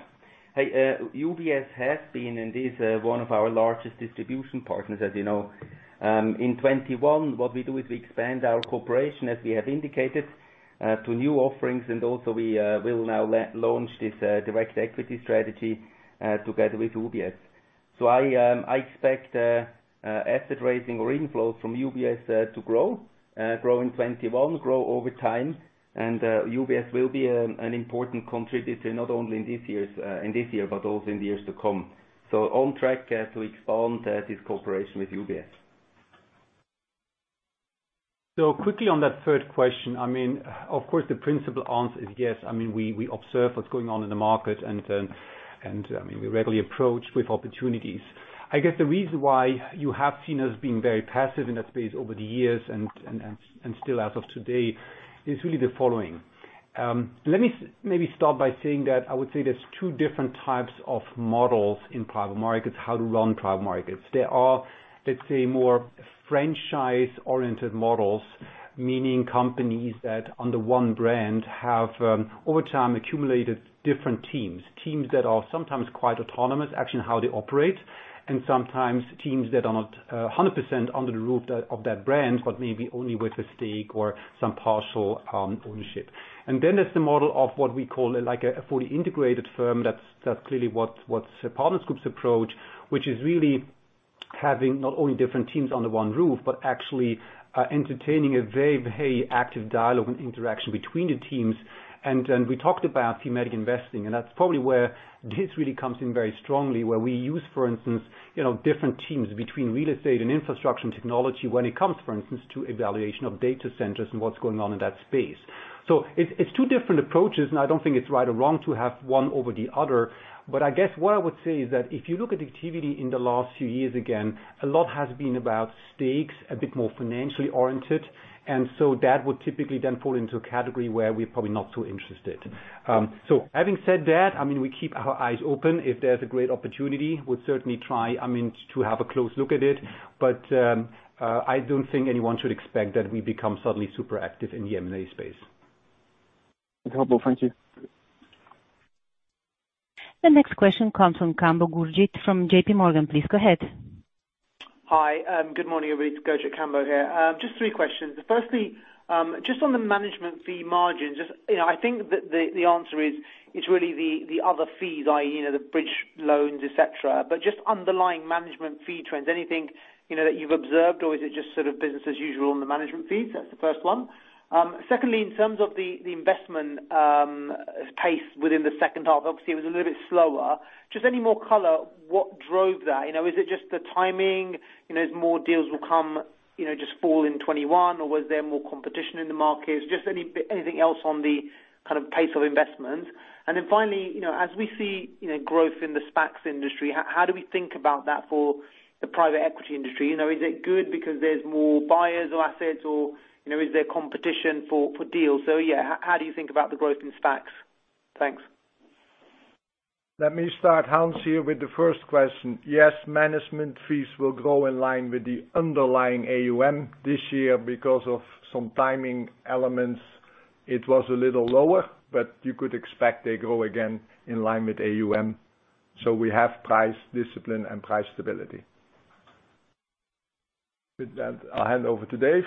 Hey, UBS has been and is one of our largest distribution partners, as you know. In 2021, what we do is we expand our cooperation, as we have indicated, to new offerings, and also we will now launch this direct equity strategy, together with UBS. I expect asset raising or inflows from UBS to grow in 2021, grow over time, and UBS will be an important contributor, not only in this year, but also in the years to come. On track to expand this cooperation with UBS. Quickly on that third question, of course, the principle answer is yes. We observe what's going on in the market, and we regularly approach with opportunities. I guess the reason why you have seen us being very passive in that space over the years and still as of today is really the following. Let me maybe start by saying that I would say there's two different types of models in private markets, how to run private markets. There are, let's say, more franchise-oriented models, meaning companies that, under one brand, have over time accumulated different teams. Teams that are sometimes quite autonomous, actually, in how they operate, and sometimes teams that are not 100% under the roof of that brand, but maybe only with a stake or some partial ownership. Then there's the model of what we call a fully integrated firm. That's clearly what Partners Group's approach, which is really having not only different teams under one roof, but actually entertaining a very active dialogue and interaction between the teams. We talked about thematic investing, and that's probably where this really comes in very strongly, where we use, for instance, different teams between real estate and infrastructure and technology when it comes, for instance, to evaluation of data centers and what's going on in that space. It's two different approaches, and I don't think it's right or wrong to have one over the other. I guess what I would say is that if you look at activity in the last few years, again, a lot has been about stakes, a bit more financially oriented. That would typically then fall into a category where we're probably not too interested. Having said that, we keep our eyes open. If there's a great opportunity, we'll certainly try to have a close look at it. But I don't think anyone should expect that we become suddenly super active in the M&A space. That's helpful. Thank you. The next question comes from Kambo Gurjit from JPMorgan. Please go ahead. Hi, good morning, everybody. It's Gurjit Kambo here. Just three questions. Firstly, just on the management fee margin, I think that the answer is really the other fees, i.e., the bridge loans, et cetera, but just underlying management fee trends, anything that you've observed, or is it just business as usual on the management fees? That's the first one. Secondly, in terms of the investment pace within the second half, obviously, it was a little bit slower. Just any more color, what drove that? Is it just the timing as more deals will come just fall in 2021, or was there more competition in the market? Just anything else on the pace of investment. Finally, as we see growth in the SPACs industry, how do we think about that for the private equity industry? Is it good because there's more buyers of assets, or is there competition for deals? Yeah, how do you think about the growth in SPACs? Thanks. Let me start, Hans here, with the first question. Yes, management fees will grow in line with the underlying AUM this year because of some timing elements. It was a little lower, but you could expect they grow again in line with AUM. We have price discipline and price stability. With that, I'll hand over to Dave.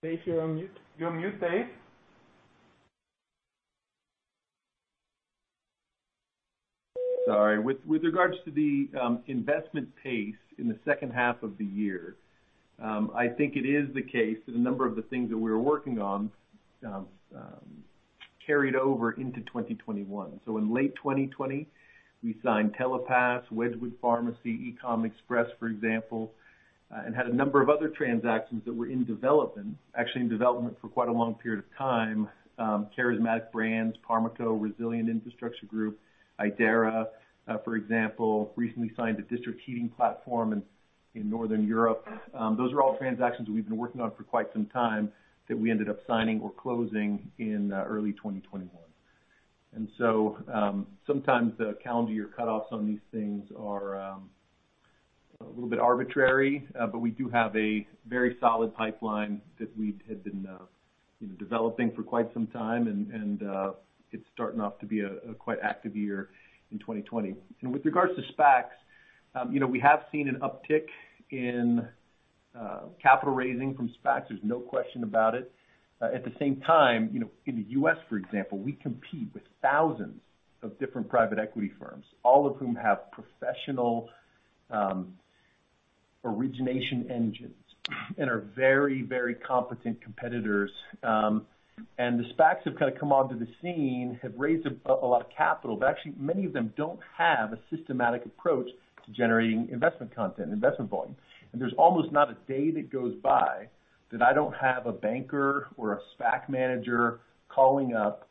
Dave, you're on mute. You're on mute, Dave. Sorry. With regards to the investment pace in the second half of the year, I think it is the case that a number of the things that we were working on carried over into 2021. In late 2020, we signed Telepass, Wedgewood Pharmacy, Ecom Express, for example, and had a number of other transactions that were in development. Actually, in development for quite a long period of time. Careismatic Brands, Parmaco, Resilient Infrastructure Group, Idera, for example, recently signed a district heating platform in Northern Europe. Those are all transactions we've been working on for quite some time that we ended up signing or closing in early 2021. Sometimes the calendar year cutoffs on these things are a little bit arbitrary. We do have a very solid pipeline that we had been developing for quite some time, and it's starting off to be a quite active year in 2020. With regards to SPACs, we have seen an uptick in capital raising from SPACs. There's no question about it. At the same time, in the U.S., for example, we compete with thousands of different private equity firms, all of whom have professional origination engines and are very competent competitors. The SPACs have kind of come onto the scene, have raised a lot of capital, but actually many of them don't have a systematic approach to generating investment content, investment volume. There's almost not a day that goes by that I don't have a banker or a SPAC manager calling up,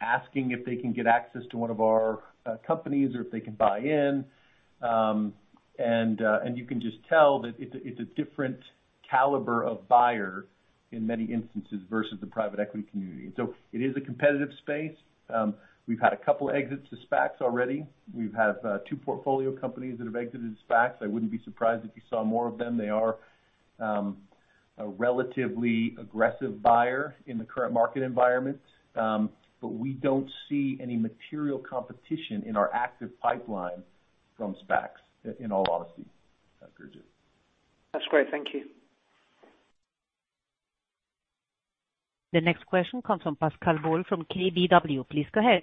asking if they can get access to one of our companies or if they can buy in. You can just tell that it's a different caliber of buyer in many instances versus the private equity community. It is a competitive space. We've had a couple exits to SPACs already. We have two portfolio companies that have exited as SPACs. I wouldn't be surprised if you saw more of them. They are a relatively aggressive buyer in the current market environment. We don't see any material competition in our active pipeline from SPACs, in all honesty, Gurjit. That's great. Thank you. The next question comes from Pascal Boll from KBW. Please go ahead.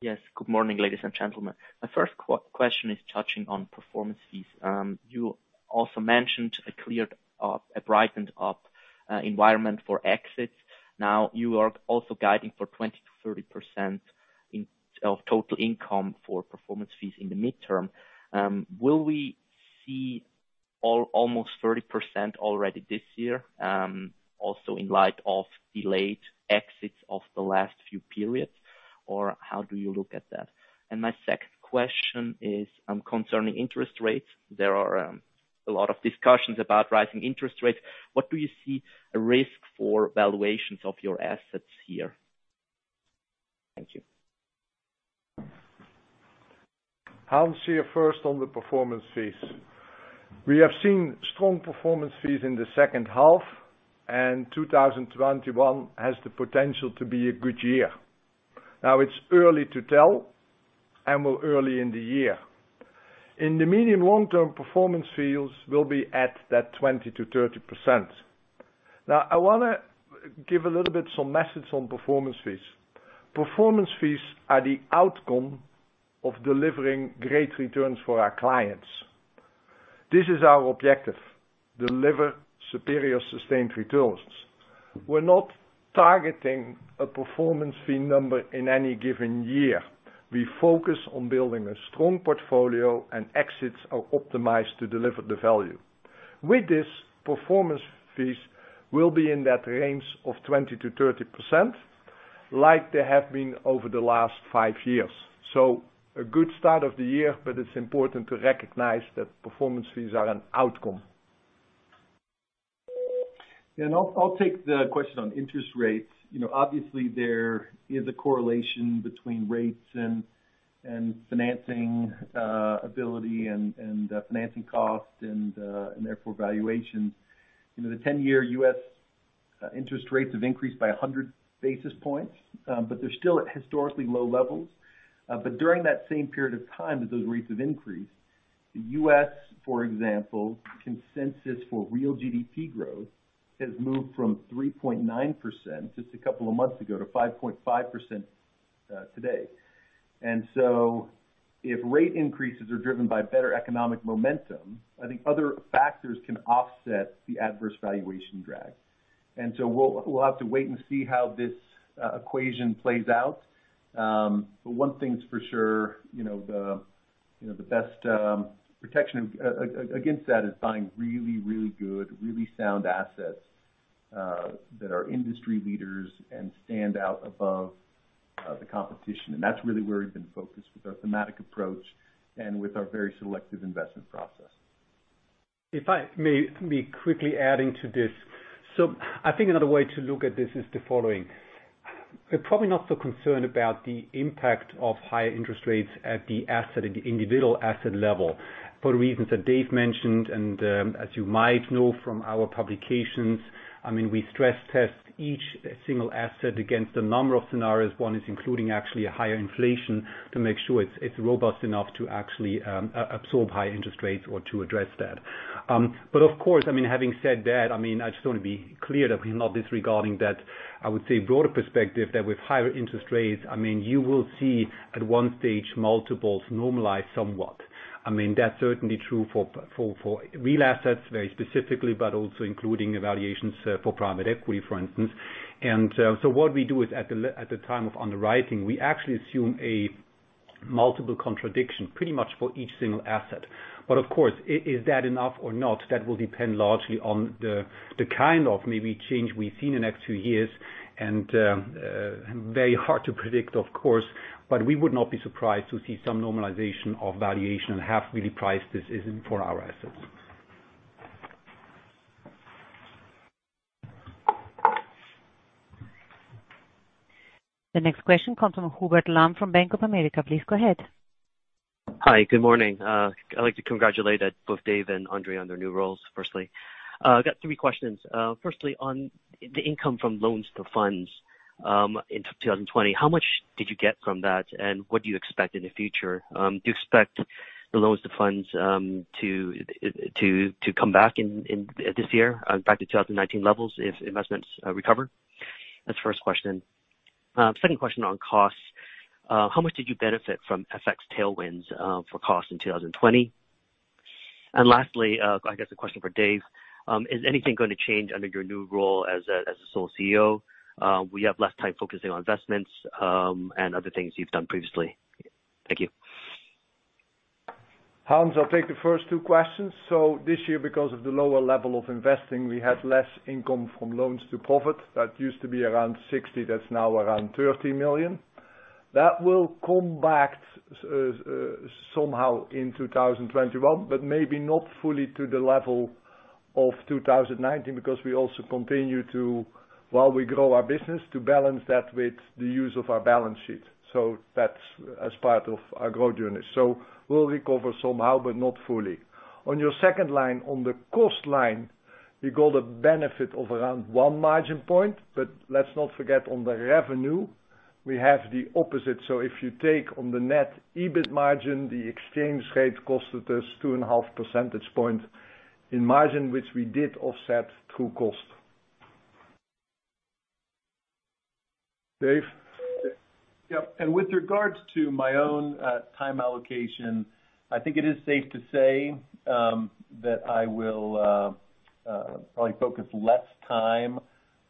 Yes. Good morning, ladies and gentlemen. My first question is touching on performance fees. You also mentioned a brightened up environment for exits. You are also guiding for 20%-30% of total income for performance fees in the midterm. Will we see almost 30% already this year, also in light of delayed exits of the last few periods? How do you look at that? My second question is concerning interest rates. There are a lot of discussions about rising interest rates. What do you see a risk for valuations of your assets here? Thank you. Hans, here first on the performance fees. We have seen strong performance fees in the second half, and 2021 has the potential to be a good year. It's early to tell, and we're early in the year. In the medium long-term, performance fees will be at that 20%-30%. I want to give a little bit some message on performance fees. Performance fees are the outcome of delivering great returns for our clients. This is our objective, deliver superior sustained returns. We're not targeting a performance fee number in any given year. We focus on building a strong portfolio and exits are optimized to deliver the value. With this, performance fees will be in that range of 20%-30% like they have been over the last five years. A good start of the year, but it's important to recognize that performance fees are an outcome. Yeah, I'll take the question on interest rates. Obviously, there is a correlation between rates and financing ability and financing cost and therefore valuations. The 10-year U.S. interest rates have increased by 100 basis points. They're still at historically low levels. During that same period of time that those rates have increased, the U.S., for example, consensus for real GDP growth has moved from 3.9% just a couple of months ago, to 5.5% today. If rate increases are driven by better economic momentum, I think other factors can offset the adverse valuation drag. We'll have to wait and see how this equation plays out. One thing's for sure, the best protection against that is buying really, really good, really sound assets that are industry leaders and stand out above the competition. That's really where we've been focused with our thematic approach and with our very selective investment process. If I may be quickly adding to this. I think another way to look at this is the following. We're probably not so concerned about the impact of higher interest rates at the asset, at the individual asset level, for reasons that Dave mentioned and as you might know from our publications. We stress test each single asset against a number of scenarios. One is including actually a higher inflation to make sure it's robust enough to actually absorb high interest rates or to address that. Of course, having said that, I just want to be clear that we're not disregarding that, I would say broader perspective that with higher interest rates, you will see at one stage multiples normalize somewhat. That's certainly true for real assets very specifically, but also including evaluations for private equity, for instance. What we do is at the time of underwriting, we actually assume a multiple contraction pretty much for each single asset. Of course, is that enough or not? That will depend largely on the kind of maybe change we've seen in next two years and very hard to predict, of course, but we would not be surprised to see some normalization of valuation have really priced this in for our assets. The next question comes from Hubert Lam from Bank of America. Please go ahead. Hi. Good morning. I'd like to congratulate both Dave and André on their new roles, firstly. I've got three questions. Firstly, on the income from loans to funds in 2020, how much did you get from that and what do you expect in the future? Do you expect the loans to funds to come back in this year, back to 2019 levels if investments recover? That's the first question. Second question on costs. How much did you benefit from FX tailwinds for costs in 2020? Lastly, I guess a question for Dave. Is anything going to change under your new role as the sole CEO? Will you have less time focusing on investments and other things you've done previously? Thank you. Hans, I'll take the first two questions. This year, because of the lower level of investing, we had less income from loans to profit. That used to be around 60. That's now around 30 million. That will come back somehow in 2021, but maybe not fully to the level of 2019, because we also continue to, while we grow our business, to balance that with the use of our balance sheet. That's as part of our growth journey. We'll recover somehow, but not fully. On your second line, on the cost line, you got a benefit of around one margin point. Let's not forget, on the revenue, we have the opposite. If you take on the net EBIT margin, the exchange rate cost us 2.5 percentage points in margin, which we did offset through cost. Dave? Yeah. With regards to my own time allocation, I think it is safe to say that I will probably focus less time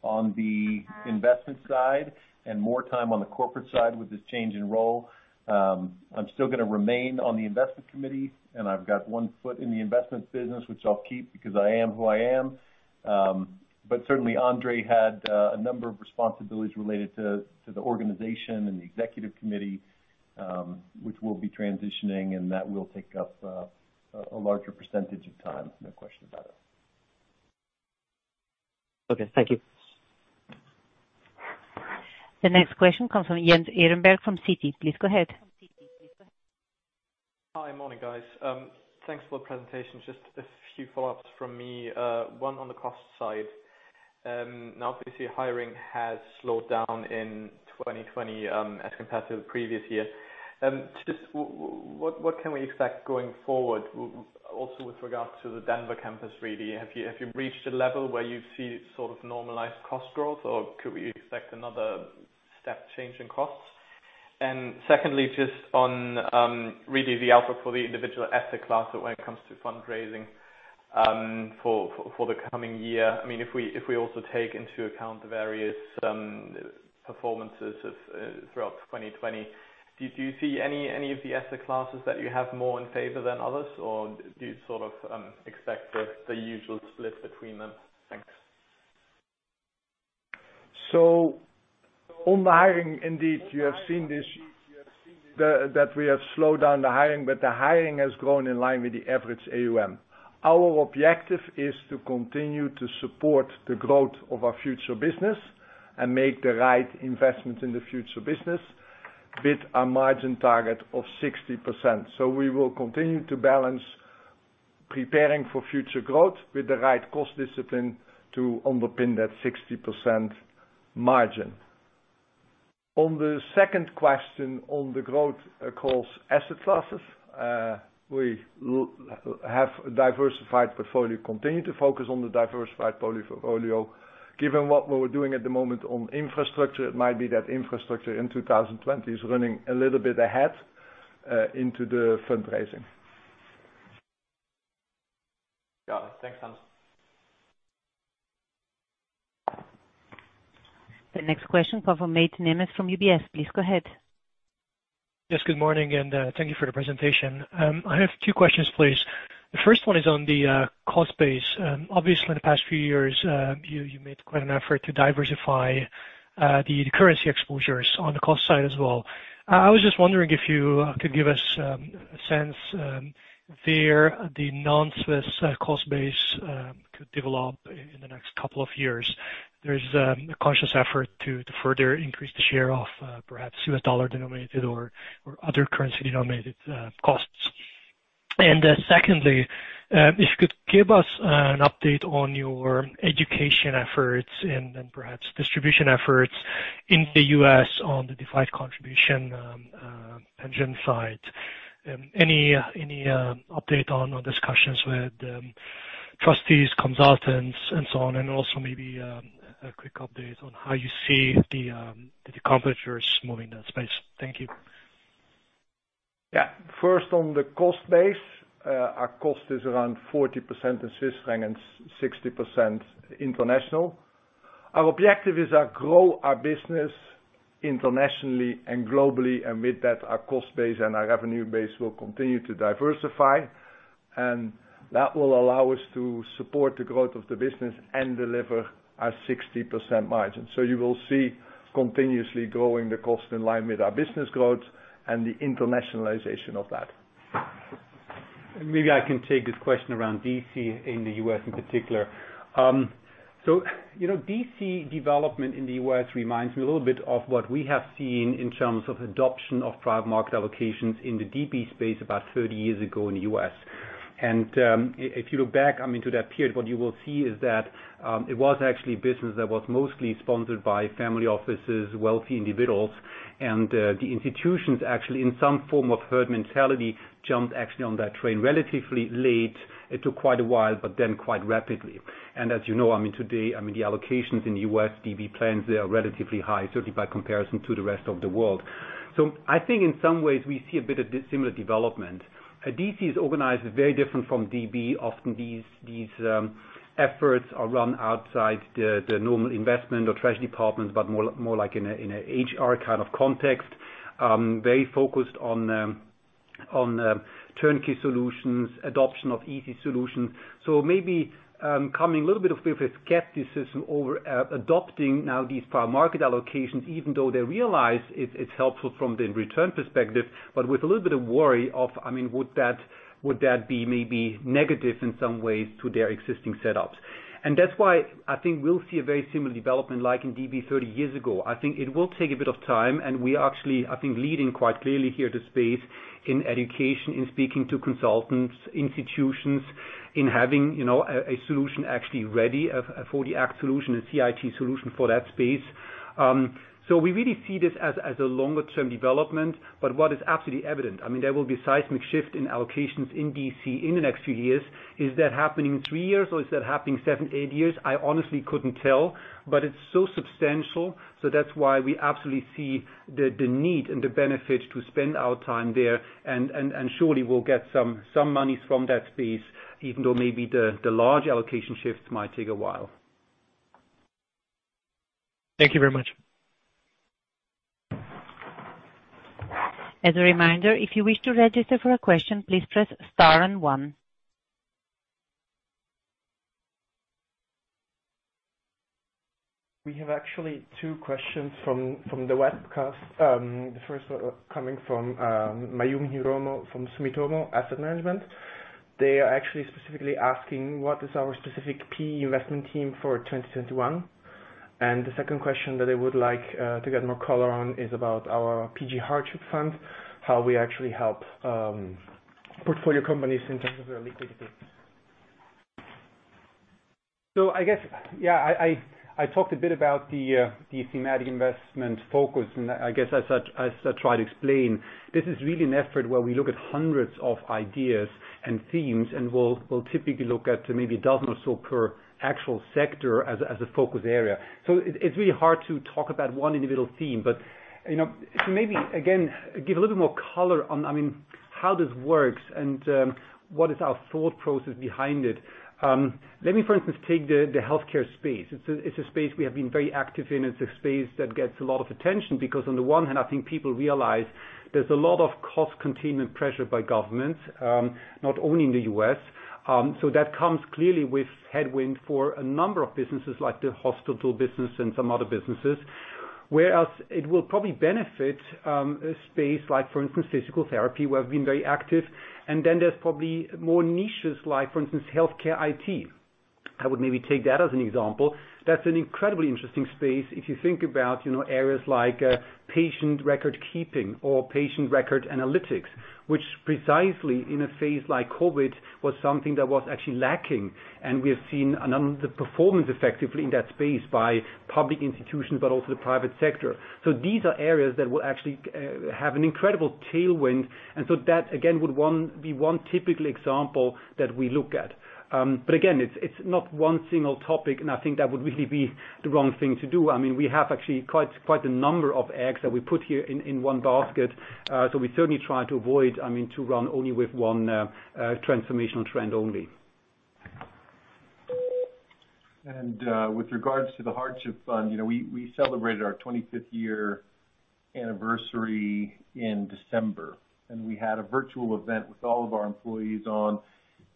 on the investment side and more time on the corporate side with this change in role. I'm still going to remain on the Investment Committee, and I've got one foot in the investment business, which I'll keep because I am who I am. Certainly André had a number of responsibilities related to the organization and the Executive Committee, which we'll be transitioning, and that will take up a larger percentage of time, no question about it. Okay, thank you. The next question comes from Jens Ehrenberg, from Citi. Please go ahead. Hi. Morning, guys. Thanks for the presentation. Just a few follow-ups from me. One on the cost side. Obviously hiring has slowed down in 2020 as compared to the previous year. What can we expect going forward, also with regards to the Denver campus, really? Have you reached a level where you see sort of normalized cost growth, or could we expect another step change in costs? Secondly, just on really the output for the individual asset class, but when it comes to fundraising for the coming year, if we also take into account the various performances throughout 2020, do you see any of the asset classes that you have more in favor than others, or do you sort of expect the usual split between them? Thanks. On the hiring, indeed, you have seen this, that we have slowed down the hiring, but the hiring has grown in line with the average AUM. Our objective is to continue to support the growth of our future business and make the right investment in the future business with a margin target of 60%. We will continue to balance preparing for future growth with the right cost discipline to underpin that 60% margin. On the second question on the growth across asset classes, we have a diversified portfolio, continue to focus on the diversified portfolio. Given what we are doing at the moment on infrastructure, it might be that infrastructure in 2020 is running a little bit ahead into the fundraising. Got it. Thanks, Hans. The next question come from Mate Nemes from UBS. Please go ahead. Yes, good morning. Thank you for the presentation. I have two questions, please. The first one is on the cost base. Obviously, the past few years, you made quite an effort to diversify the currency exposures on the cost side as well. I was just wondering if you could give us a sense where the non-Swiss cost base could develop in the next couple of years. There's a conscious effort to further increase the share of perhaps U.S. dollar denominated or other currency denominated costs. Secondly, if you could give us an update on your education efforts and perhaps distribution efforts in the U.S. on the defined contribution engine side. Any update on discussions with trustees, consultants, and so on? Also maybe a quick update on how you see the competitors moving that space. Thank you. First on the cost base, our cost is around 40% in CHF and 60% international. Our objective is to grow our business internationally and globally, and with that, our cost base and our revenue base will continue to diversify, and that will allow us to support the growth of the business and deliver our 60% margin. You will see continuously growing the cost in line with our business growth and the internationalization of that. Maybe I can take this question around D.C. in the U.S. in particular. D.C. development in the U.S. reminds me a little bit of what we have seen in terms of adoption of private market allocations in the DB space about 30 years ago in the U.S. If you look back into that period, what you will see is that it was actually business that was mostly sponsored by family offices, wealthy individuals, and the institutions actually, in some form of herd mentality, jumped actually on that train relatively late. It took quite a while, but then quite rapidly. As you know, today, the allocations in U.S. DB plans, they are relatively high, certainly by comparison to the rest of the world. I think in some ways we see a bit of similar development. D.C. is organized very different from DB. Often these efforts are run outside the normal investment or treasury department, but more like in an HR kind of context. Very focused on turnkey solutions, adoption of easy solutions. Maybe coming a little bit with skepticism over adopting now these private market allocations, even though they realize it is helpful from the return perspective, but with a little bit of worry of, would that be maybe negative in some ways to their existing setups. That's why I think we'll see a very similar development like in DB 30 years ago. I think it will take a bit of time, and we are actually, I think, leading quite clearly here the space in education, in speaking to consultants, institutions, in having a solution actually ready, a 40 Act solution, a CIT solution for that space. We really see this as a longer-term development, what is absolutely evident, there will be a seismic shift in allocations in DC in the next few years. Is that happening three years or is that happening seven, eight years? I honestly couldn't tell, it's so substantial. That's why we absolutely see the need and the benefit to spend our time there, and surely we'll get some monies from that space, even though maybe the large allocation shifts might take a while. Thank you very much. As a reminder, if you wish to register for a question, please press star and one. We have actually two questions from the webcast. The first coming from Mayumi Hiromo from Sumitomo Asset Management. They are actually specifically asking "what is our specific PE investment theme for 2021? The second question that I would like to get more color on is about our PG hardship fund, how we actually help portfolio companies in terms of their liquidity?" I guess, I talked a bit about the thematic investment focus, and I guess as I try to explain, this is really an effort where we look at hundreds of ideas and themes and we'll typically look at maybe a dozen or so per actual sector as a focus area. It's really hard to talk about one individual theme. To maybe, again, give a little bit more color on how this works and what is our thought process behind it. Let me, for instance, take the healthcare space. It's a space we have been very active in. It's a space that gets a lot of attention because on the one hand, I think people realize there's a lot of cost containment pressure by governments, not only in the U.S. That comes clearly with headwind for a number of businesses like the hospital business and some other businesses, whereas it will probably benefit a space like, for instance, physical therapy, where we've been very active. Then there's probably more niches like, for instance, healthcare IT. I would maybe take that as an example. That's an incredibly interesting space if you think about areas like patient record keeping or patient record analytics, which precisely in a phase like COVID was something that was actually lacking. We have seen the performance effectively in that space by public institutions, but also the private sector. These are areas that will actually have an incredible tailwind, and so that again, would be one typical example that we look at. Again, it's not one single topic, and I think that would really be the wrong thing to do. We have actually quite a number of eggs that we put here in one basket. We certainly try to avoid to run only with one transformational trend only. With regards to the Hardship Fund, we celebrated our 25th year anniversary in December, and we had a virtual event with all of our employees on,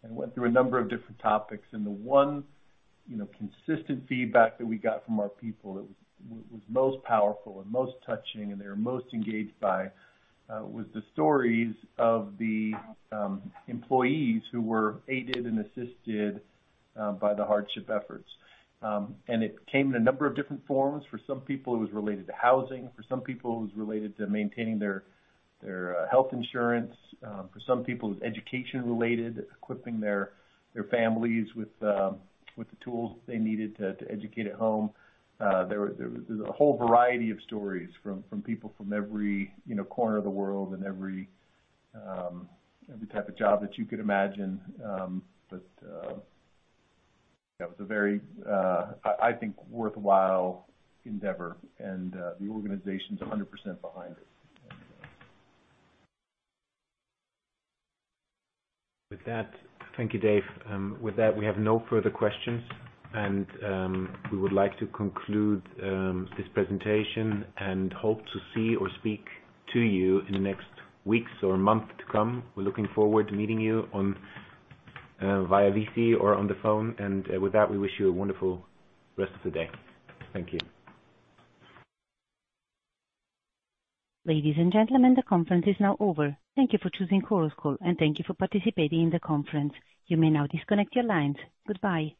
and went through a number of different topics. The one consistent feedback that we got from our people that was most powerful and most touching and they were most engaged by, was the stories of the employees who were aided and assisted by the hardship efforts. It came in a number of different forms. For some people, it was related to housing. For some people, it was related to maintaining their health insurance. For some people, it was education-related, equipping their families with the tools they needed to educate at home. There's a whole variety of stories from people from every corner of the world and every type of job that you could imagine. That was a very, I think, worthwhile endeavor, and the organization's 100% behind it. Thank you, Dave. We have no further questions. We would like to conclude this presentation and hope to see or speak to you in the next weeks or month to come. We're looking forward to meeting you via VC or on the phone. We wish you a wonderful rest of the day. Thank you. Ladies and gentlemen, the conference is now over. Thank you for choosing Chorus Call, and thank you for participating in the conference. You may now disconnect your lines. Goodbye.